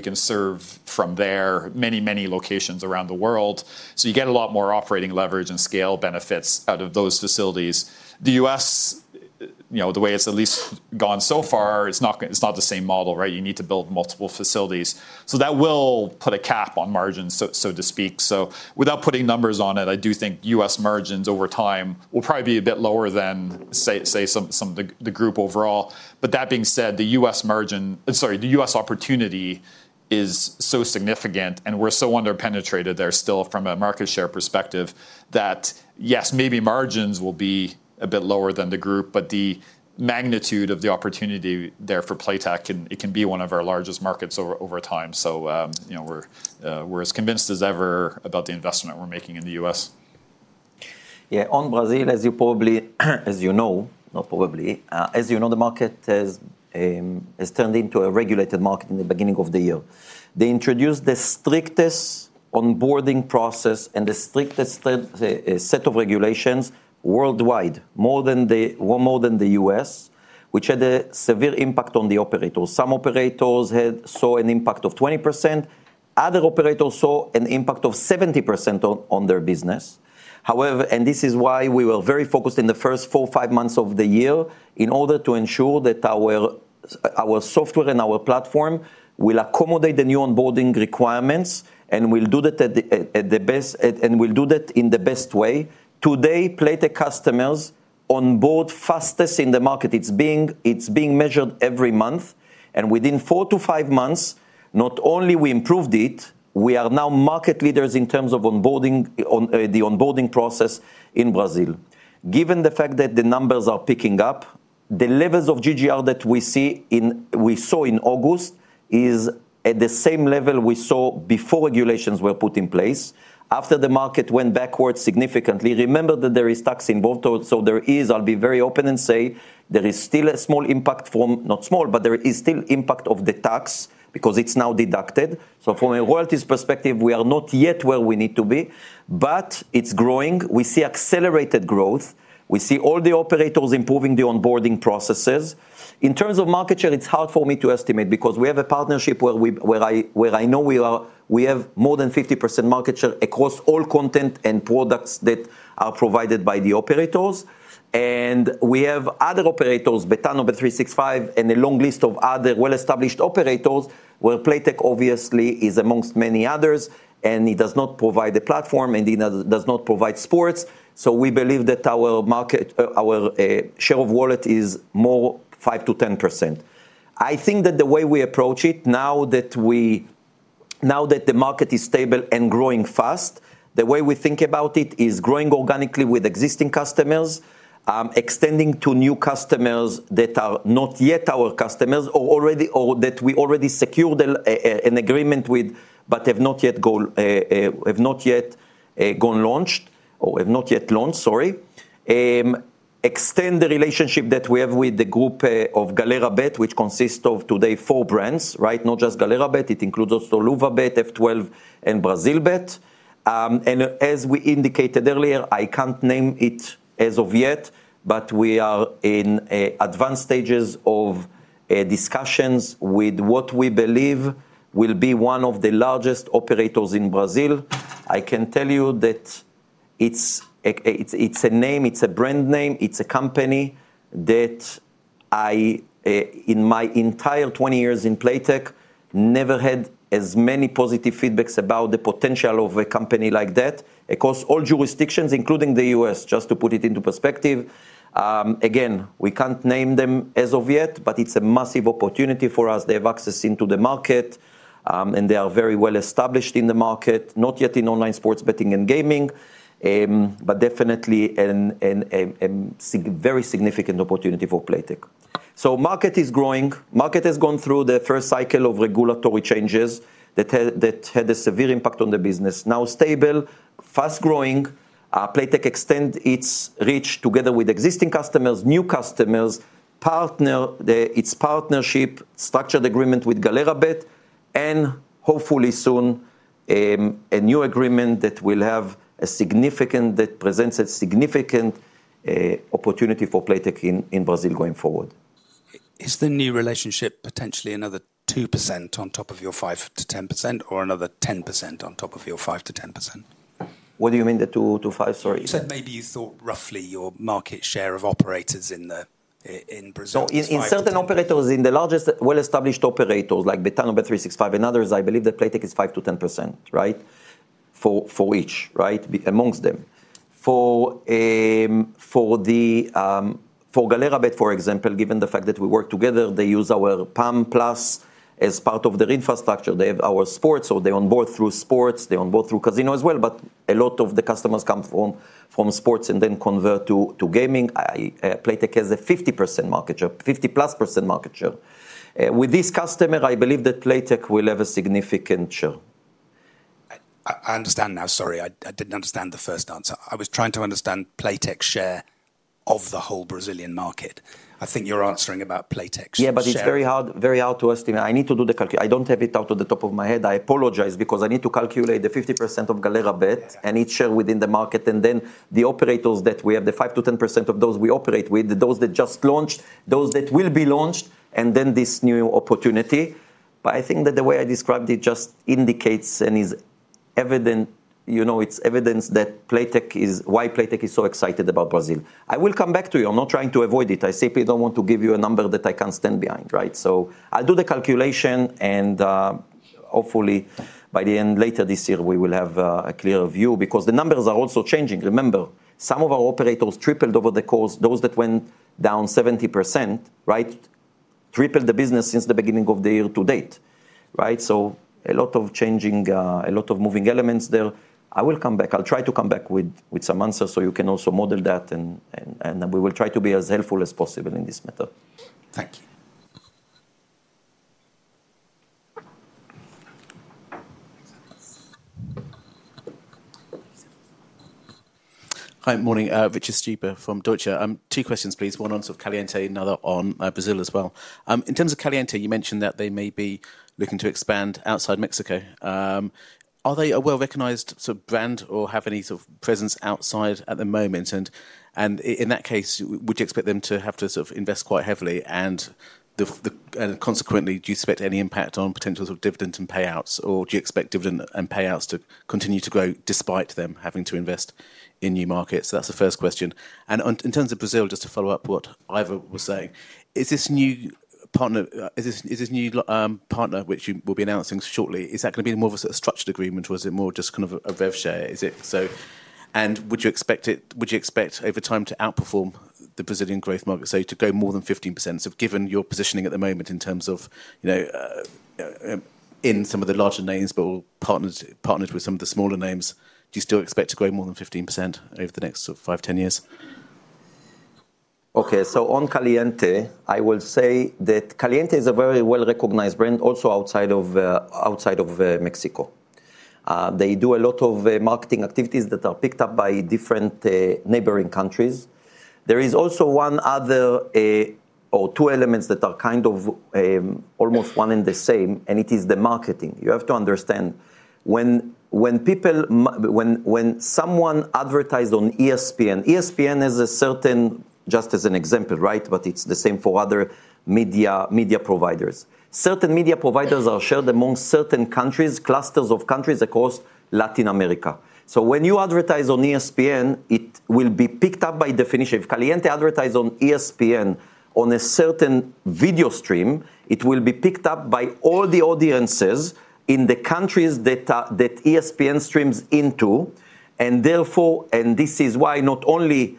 can serve from there many, many locations around the world. You get a lot more operating leverage and scale benefits out of those facilities. The U.S., you know, the way it's at least gone so far, it's not the same model, right? You need to build multiple facilities. That will put a cap on margins, so to speak. Without putting numbers on it, I do think U.S. margins over time will probably be a bit lower than, say, some of the group overall. That being said, the U.S. opportunity is so significant, and we're so underpenetrated there still from a market share perspective that, yes, maybe margins will be a bit lower than the group, but the magnitude of the opportunity there for Playtech, it can be one of our largest markets over time. We're as convinced as ever about the investment we're making in the U.S. Yeah, on Brazil, as you know, the market has turned into a regulated market in the beginning of the year. They introduced the strictest onboarding process and the strictest set of regulations worldwide, more than the U.S., which had a severe impact on the operators. Some operators saw an impact of 20%. Other operators saw an impact of 70% on their business. However, this is why we were very focused in the first four or five months of the year in order to ensure that our software and our platform will accommodate the new onboarding requirements and will do that at the best and will do that in the best way. Today, Playtech customers onboard fastest in the market. It's being measured every month, and within four to five months, not only we improved it, we are now market leaders in terms of the onboarding process in Brazil. Given the fact that the numbers are picking up, the levels of GGR that we saw in August are at the same level we saw before regulations were put in place. After the market went backwards significantly, remember that there is tax involved. There is, I'll be very open and say, there is still a small impact from, not small, but there is still impact of the tax because it's now deducted. From a royalties perspective, we are not yet where we need to be, but it's growing. We see accelerated growth. We see all the operators improving the onboarding processes. In terms of market share, it's hard for me to estimate because we have a partnership where I know we have more than 50% market share across all content and products that are provided by the operators. We have other operators, Betano, bet365, and a long list of other well-established operators where Playtech obviously is amongst many others, and it does not provide a platform, and it does not provide sports. We believe that our market, our share of wallet is more 5%-10%. I think that the way we approach it now that the market is stable and growing fast, the way we think about it is growing organically with existing customers, extending to new customers that are not yet our customers or that we already secured an agreement with but have not yet launched, sorry, extend the relationship that we have with the group of Galera.bet, which consists of today four brands, right? Not just Galera.bet, it includes also luva.bet, F12, and brazil.bet. As we indicated earlier, I can't name it as of yet, but we are in advanced stages of discussions with what we believe will be one of the largest operators in Brazil. I can tell you that it's a name, it's a brand name, it's a company that I, in my entire 20 years in Playtech, never had as many positive feedbacks about the potential of a company like that across all jurisdictions, including the U.S., just to put it into perspective. We can't name them as of yet, but it's a massive opportunity for us. They have access into the market, and they are very well established in the market, not yet in online sports betting and gaming, but definitely a very significant opportunity for Playtech. The market is growing. The market has gone through the first cycle of regulatory changes that had a severe impact on the business, now stable, fast growing. Playtech extends its reach together with existing customers, new customers, its partnership, structured agreement with Galera.bet, and hopefully soon a new agreement that presents a significant opportunity for Playtech in Brazil going forward. Is the new relationship potentially another 2% on top of your 5%-10% or another 10% on top of your 5%-10%? What do you mean? 2%-5%? Sorry. You said maybe you thought roughly your market share of operators in Brazil. In certain operators, in the largest well-established operators like Betano, bet365 and others, I believe that Playtech is 5%-10%, right? For each, right? Amongst them. For Galera.bet, for example, given the fact that we work together, they use our PAM+ as part of their infrastructure. They have our sports, so they onboard through sports, they onboard through casino as well, but a lot of the customers come from sports and then convert to gaming. Playtech has a 50% market share, 50%+ market share. With this customer, I believe that Playtech will have a significant share. I understand now, sorry, I didn't understand the first answer. I was trying to understand Playtech's share of the whole Brazilian market. I think you're answering about Playtech's share. Yeah, but it's very hard to estimate. I need to do the calculation. I don't have it out of the top of my head. I apologize because I need to calculate the 50% of Galera.bet, any share within the market, and then the operators that we have, the 5%-10% of those we operate with, those that just launched, those that will be launched, and then this new opportunity. I think that the way I described it just indicates and is evident, you know, it's evidence that Playtech is, why Playtech is so excited about Brazil. I will come back to you. I'm not trying to avoid it. I simply don't want to give you a number that I can't stand behind, right? I'll do the calculation and hopefully by the end later this year we will have a clearer view because the numbers are also changing. Remember, some of our operators tripled over the course, those that went down 70%, right? Tripled the business since the beginning of the year-to-date, right? A lot of changing, a lot of moving elements there. I will come back. I'll try to come back with some answers so you can also model that and we will try to be as helpful as possible in this matter. Thank you. Hi, morning. Richard Stuber from Deutsche. Two questions, please. One on sort of Caliente, another on Brazil as well. In terms of Caliente, you mentioned that they may be looking to expand outside Mexico. Are they a well-recognized sort of brand or have any sort of presence outside at the moment? In that case, would you expect them to have to invest quite heavily? Consequently, do you expect any impact on potential sort of dividend and payouts? Do you expect dividend and payouts to continue to grow despite them having to invest in new markets? That's the first question. In terms of Brazil, just to follow up what Ivor was saying, is this new partner, which you will be announcing shortly, going to be more of a structured agreement or is it more just kind of a rev share? Would you expect it, would you expect over time to outperform the Brazilian growth market? To go more than 15%? Given your positioning at the moment in terms of, you know, in some of the larger names but partnered with some of the smaller names, do you still expect to grow more than 15% over the next five, 10 years? Okay, so on Caliente, I will say that Caliente is a very well-recognized brand, also outside of Mexico. They do a lot of marketing activities that are picked up by different neighboring countries. There is also one other or two elements that are kind of almost one and the same, and it is the marketing. You have to understand when someone advertises on ESPN, ESPN has a certain, just as an example, right? It's the same for other media providers. Certain media providers are shared among certain countries, clusters of countries across Latin America. When you advertise on ESPN, it will be picked up by definition. If Caliente advertises on ESPN on a certain video stream, it will be picked up by all the audiences in the countries that ESPN streams into. Therefore, this is why not only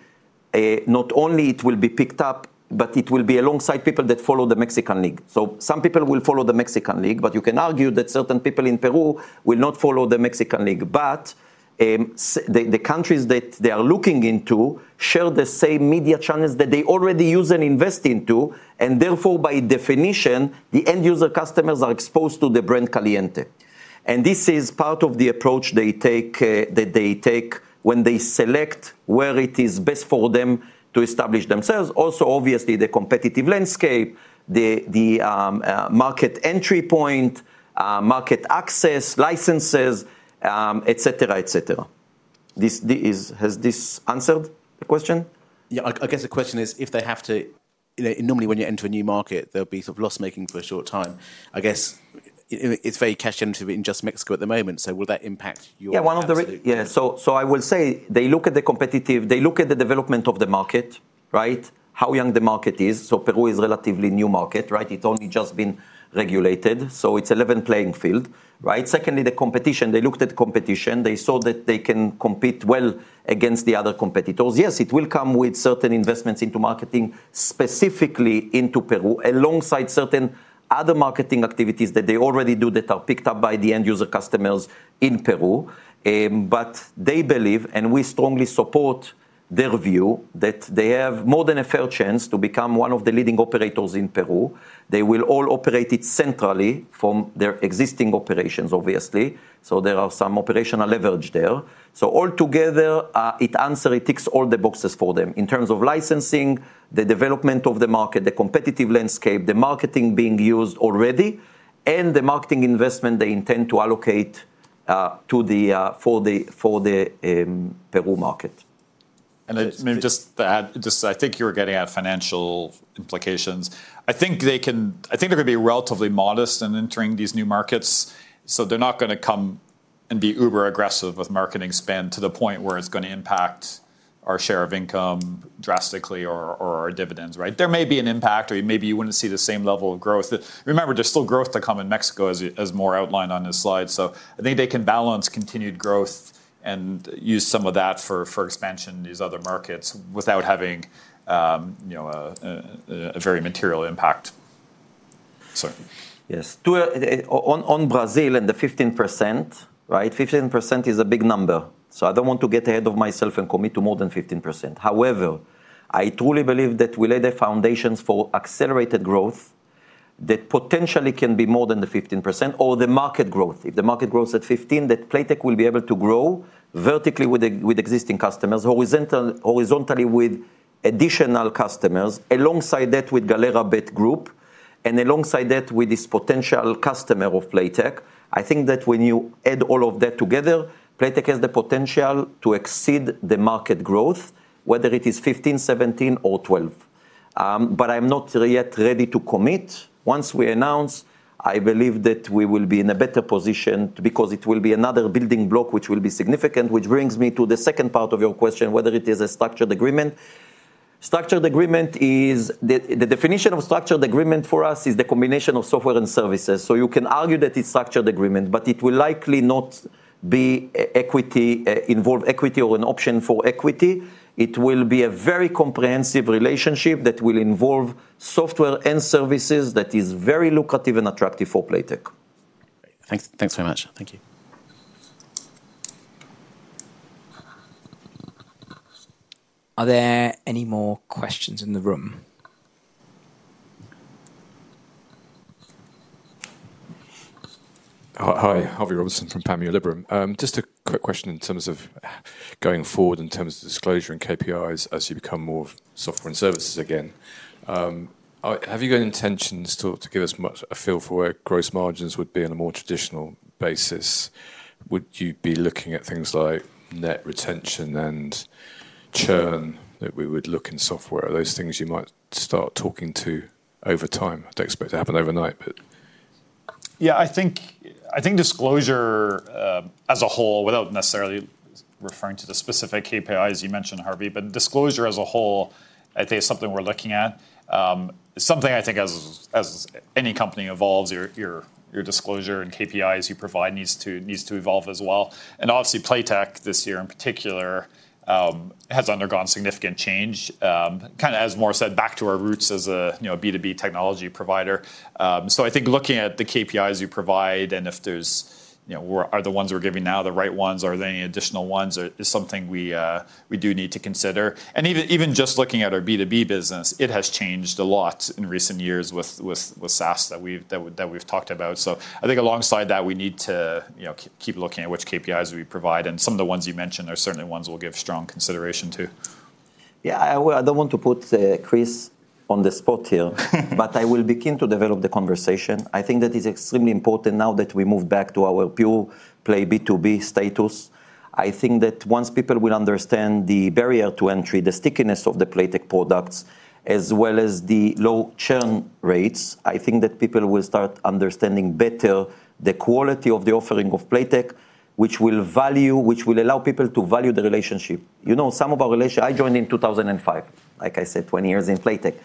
will it be picked up, but it will be alongside people that follow the Mexican League. Some people will follow the Mexican League, but you can argue that certain people in Peru will not follow the Mexican League. The countries that they are looking into share the same media channels that they already use and invest into, and therefore, by definition, the end user customers are exposed to the brand Caliente. This is part of the approach they take when they select where it is best for them to establish themselves. Also, obviously, the competitive landscape, the market entry point, market access, licenses, et cetera, et cetera. Has this answered the question? Yeah, I guess the question is if they have to, you know, normally when you enter a new market, there'll be sort of loss-making for a short time. I guess it's very cash-entry in just Mexico at the moment. Will that impact your? Yeah, I will say they look at the competitive, they look at the development of the market, right? How young the market is. Peru is a relatively new market, right? It's only just been regulated. It's an even playing field, right? Secondly, the competition, they looked at the competition. They saw that they can compete well against the other competitors. Yes, it will come with certain investments into marketing, specifically into Peru, alongside certain other marketing activities that they already do that are picked up by the end user customers in Peru. They believe, and we strongly support their view, that they have more than a fair chance to become one of the leading operators in Peru. They will all operate it centrally from their existing operations, obviously. There are some operational leverage there. Altogether, it answers, it ticks all the boxes for them in terms of licensing, the development of the market, the competitive landscape, the marketing being used already, and the marketing investment they intend to allocate for the Peru market. Maybe just to add, I think you were getting at financial implications. I think they can, I think they're going to be relatively modest in entering these new markets. They're not going to come and be uber aggressive with marketing spend to the point where it's going to impact our share of income drastically or our dividends, right? There may be an impact, or maybe you wouldn't see the same level of growth. Remember, there's still growth to come in Mexico, as more outlined on this slide. I think they can balance continued growth and use some of that for expansion in these other markets without having a very material impact. Yes, on Brazil and the 15%, right? 15% is a big number. I don't want to get ahead of myself and commit to more than 15%. However, I truly believe that we laid the foundations for accelerated growth that potentially can be more than the 15% or the market growth. If the market grows at 15%, Playtech will be able to grow vertically with existing customers, horizontally with additional customers, alongside that with Galera.bet, and alongside that with this potential customer of Playtech. I think that when you add all of that together, Playtech has the potential to exceed the market growth, whether it is 15%, 17%, or 12%. I'm not yet ready to commit. Once we announce, I believe that we will be in a better position because it will be another building block which will be significant, which brings me to the second part of your question, whether it is a structured agreement. Structured agreement is the definition of structured agreement for us, is the combination of software and services. You can argue that it's a structured agreement, but it will likely not involve equity or an option for equity. It will be a very comprehensive relationship that will involve software and services that are very lucrative and attractive for Playtech. Thanks very much. Thank you. Are there any more questions in the room? Hi, Harvey Robinson from Panmure Liberum. Just a quick question in terms of going forward in terms of disclosure and KPIs as you become more software and services again. Have you got any intentions to give us much a feel for where gross margins would be on a more traditional basis? Would you be looking at things like net retention and churn that we would look in software? Are those things you might start talking to over time? I don't expect it to happen overnight, but... Yeah, I think disclosure as a whole, without necessarily referring to the specific KPIs you mentioned, Harvey, is something we're looking at. It's something I think, as any company evolves, your disclosure and KPIs you provide need to evolve as well. Obviously, Playtech this year in particular has undergone significant change, kind of as Mor said, back to our roots as a B2B technology provider. I think looking at the KPIs you provide and if those are the ones we're giving now, the right ones, or if there are any additional ones, is something we do need to consider. Even just looking at our B2B business, it has changed a lot in recent years with SaaS that we've talked about. I think alongside that, we need to keep looking at which KPIs we provide, and some of the ones you mentioned are certainly ones we'll give strong consideration to. Yeah, I don't want to put Chris on the spot here, but I will be keen to develop the conversation. I think that is extremely important now that we move back to our pure play B2B status. I think that once people will understand the barrier to entry, the stickiness of the Playtech products, as well as the low churn rates, I think that people will start understanding better the quality of the offering of Playtech, which will allow people to value the relationship. You know, some of our relationships, I joined in 2005, like I said, 20 years in Playtech.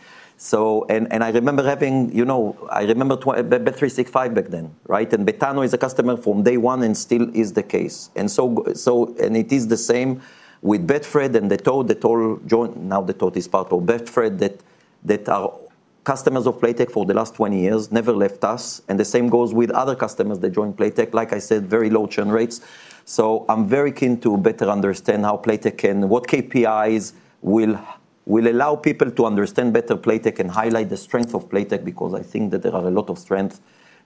I remember bet365 back then, right? And Betano is a customer from day one and still is the case. It is the same with Betfred and the Tote. The Tote joined, now the Tote is part of Betfred, that are customers of Playtech for the last 20 years, never left us. The same goes with other customers that joined Playtech, like I said, very low churn rates. I'm very keen to better understand how Playtech can, what KPIs will allow people to understand better Playtech and highlight the strength of Playtech, because I think that there are a lot of strengths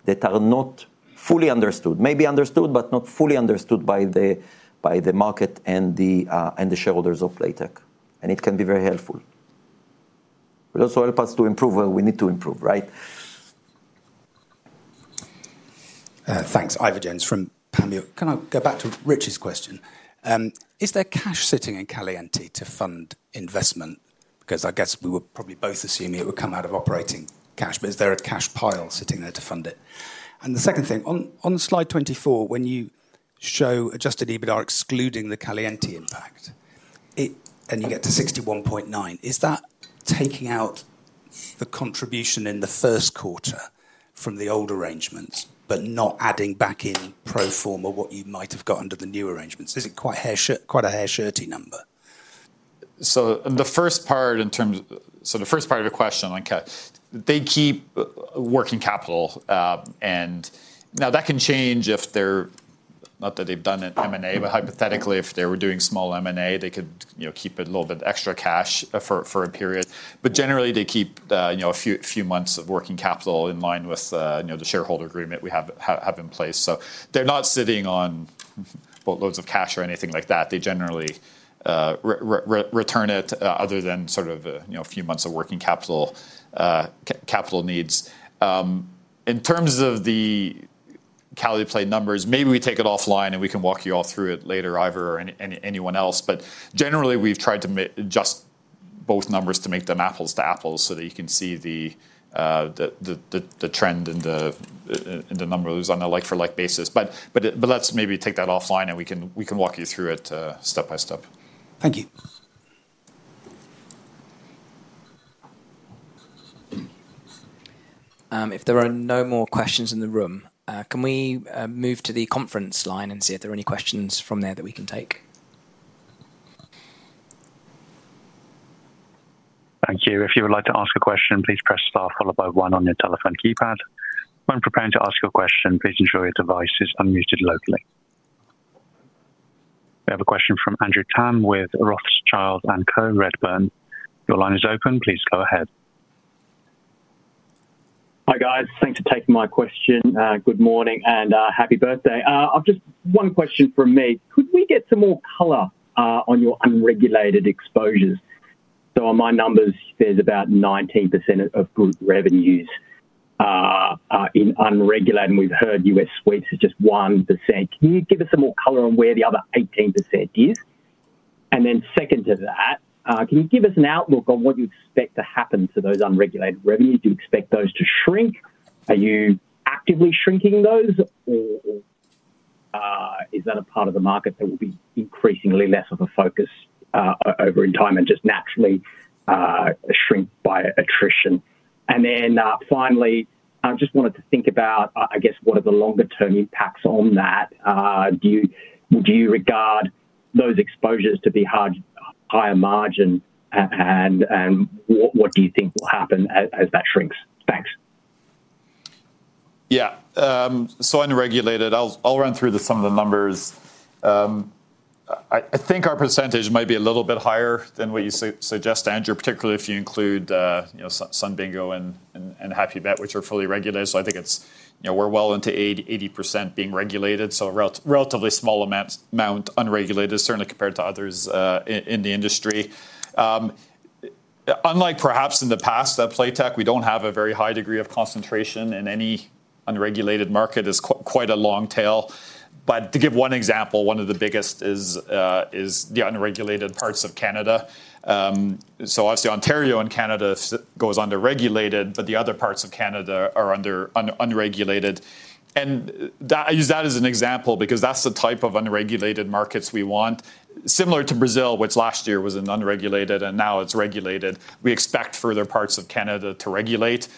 that are not fully understood, maybe understood, but not fully understood by the market and the shareholders of Playtech. It can be very helpful. It will also help us to improve where we need to improve, right? Thanks, Ivor Jones from Panmure. Can I go back to Rich's question? Is there cash sitting in Caliente to fund investment? I guess we were probably both assuming it would come out of operating cash, but is there a cash pile sitting there to fund it? The second thing, on slide 24, when you show adjusted EBITDA excluding the Caliente impact, and you get to 61.9 million, is that taking out the contribution in the first quarter from the old arrangements, but not adding back in pro forma what you might have got under the new arrangements? Is it quite a hair-shirty number? In the first part of your question, they keep working capital. That can change if they're, not that they've done it M&A, but hypothetically, if they were doing small M&A, they could keep a little bit extra cash for a period. Generally, they keep a few months of working capital in line with the shareholder agreement we have in place. They're not sitting on boatloads of cash or anything like that. They generally return it other than a few months of working capital needs. In terms of the Caliplay numbers, maybe we take it offline and we can walk you all through it later, Ivor, or anyone else. Generally, we've tried to adjust both numbers to make them apples to apples so that you can see the trend and the number that is on a like-for-like basis. Let's maybe take that offline and we can walk you through it step by step. Thank you. If there are no more questions in the room, can we move to the conference line and see if there are any questions from there that we can take? Thank you. If you would like to ask a question, please press star followed by one on your telephone keypad. When preparing to ask your question, please ensure your device is unmuted locally. We have a question from Andrew Tam with Rothschild & Co. Redburn. Your line is open, please go ahead. Hi guys, thanks for taking my question. Good morning and happy birthday. I've just one question from me. Could we get some more color on your unregulated exposures? On my numbers, there's about 19% of good revenues in unregulated, and we've heard U.S. sweeps at just 1%. Can you give us some more color on where the other 18% is? Second to that, can you give us an outlook on what you expect to happen to those unregulated revenues? Do you expect those to shrink? Are you actively shrinking those? Is that a part of the market that will be increasingly less of a focus over time and just naturally shrink by attrition? Finally, I just wanted to think about, I guess, what are the longer-term impacts on that? Do you regard those exposures to be higher margin? What do you think will happen as that shrinks? Thanks. Yeah, so unregulated, I'll run through some of the numbers. I think our percentage might be a little bit higher than what you suggest, Andrew, particularly if you include Sun Bingo and Happybet, which are fully regulated. I think we're well into 80% being regulated, so a relatively small amount unregulated, certainly compared to others in the industry. Unlike perhaps in the past, at Playtech, we don't have a very high degree of concentration in any unregulated market. It's quite a long tail. To give one example, one of the biggest is the unregulated parts of Canada. Obviously, Ontario in Canada is regulated, but the other parts of Canada are unregulated. I use that as an example because that's the type of unregulated markets we want. Similar to Brazil, which last year was unregulated and now it's regulated, we expect further parts of Canada to regulate.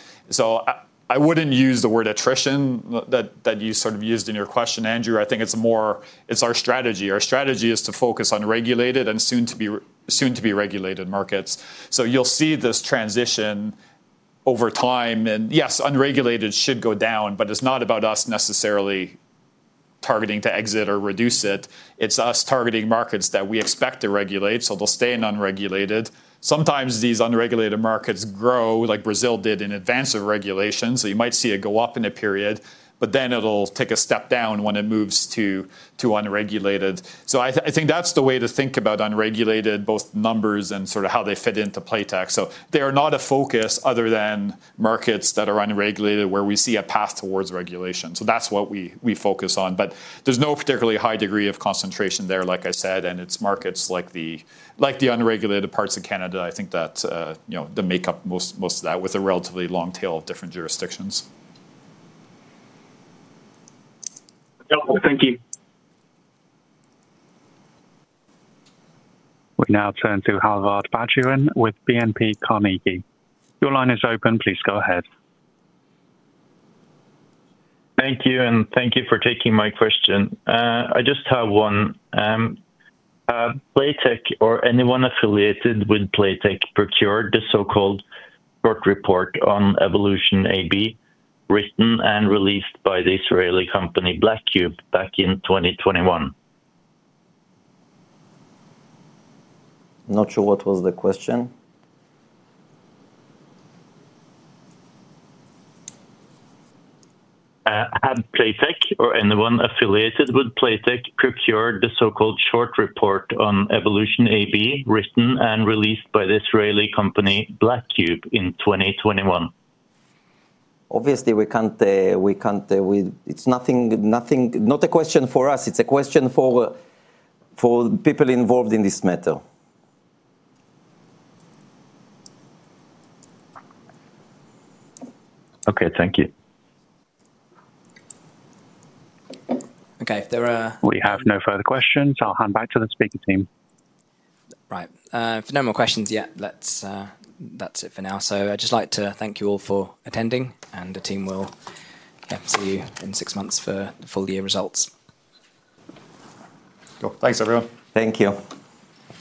I wouldn't use the word attrition that you sort of used in your question, Andrew. I think it's more, it's our strategy. Our strategy is to focus on regulated and soon to be regulated markets. You'll see this transition over time. Yes, unregulated should go down, but it's not about us necessarily targeting to exit or reduce it. It's us targeting markets that we expect to regulate, so they'll stay in unregulated. Sometimes these unregulated markets grow like Brazil did in advance of regulation. You might see it go up in a period, but then it'll take a step down when it moves to regulated. I think that's the way to think about unregulated, both numbers and sort of how they fit into Playtech. They are not a focus other than markets that are unregulated where we see a path towards regulation. That's what we focus on. There's no particularly high degree of concentration there, like I said, and it's markets like the unregulated parts of Canada. I think that, you know, they make up most of that with a relatively long tail of different jurisdictions. Thank you. We now turn to Harvard Patreon with BNP. Your line is open, please go ahead. Thank you, and thank you for taking my question. I just have one. Did Playtech or anyone affiliated with Playtech procure the so-called short report on Evolution AB, written and released by the Israeli company Black Cube back in 2021? Not sure what was the question. Have Playtech or anyone affiliated with Playtech procured the so-called short report on Evolution AB, written and released by the Israeli company Black Cube in 2021? Obviously, we can't. It's nothing, not a question for us. It's a question for people involved in this matter. Okay, thank you. There are no further questions, I'll hand back to the speaker team. Right, if there are no more questions, that's it for now. I'd just like to thank you all for attending, and the team will see you in six months for the full year results. Thanks, everyone. Thank you.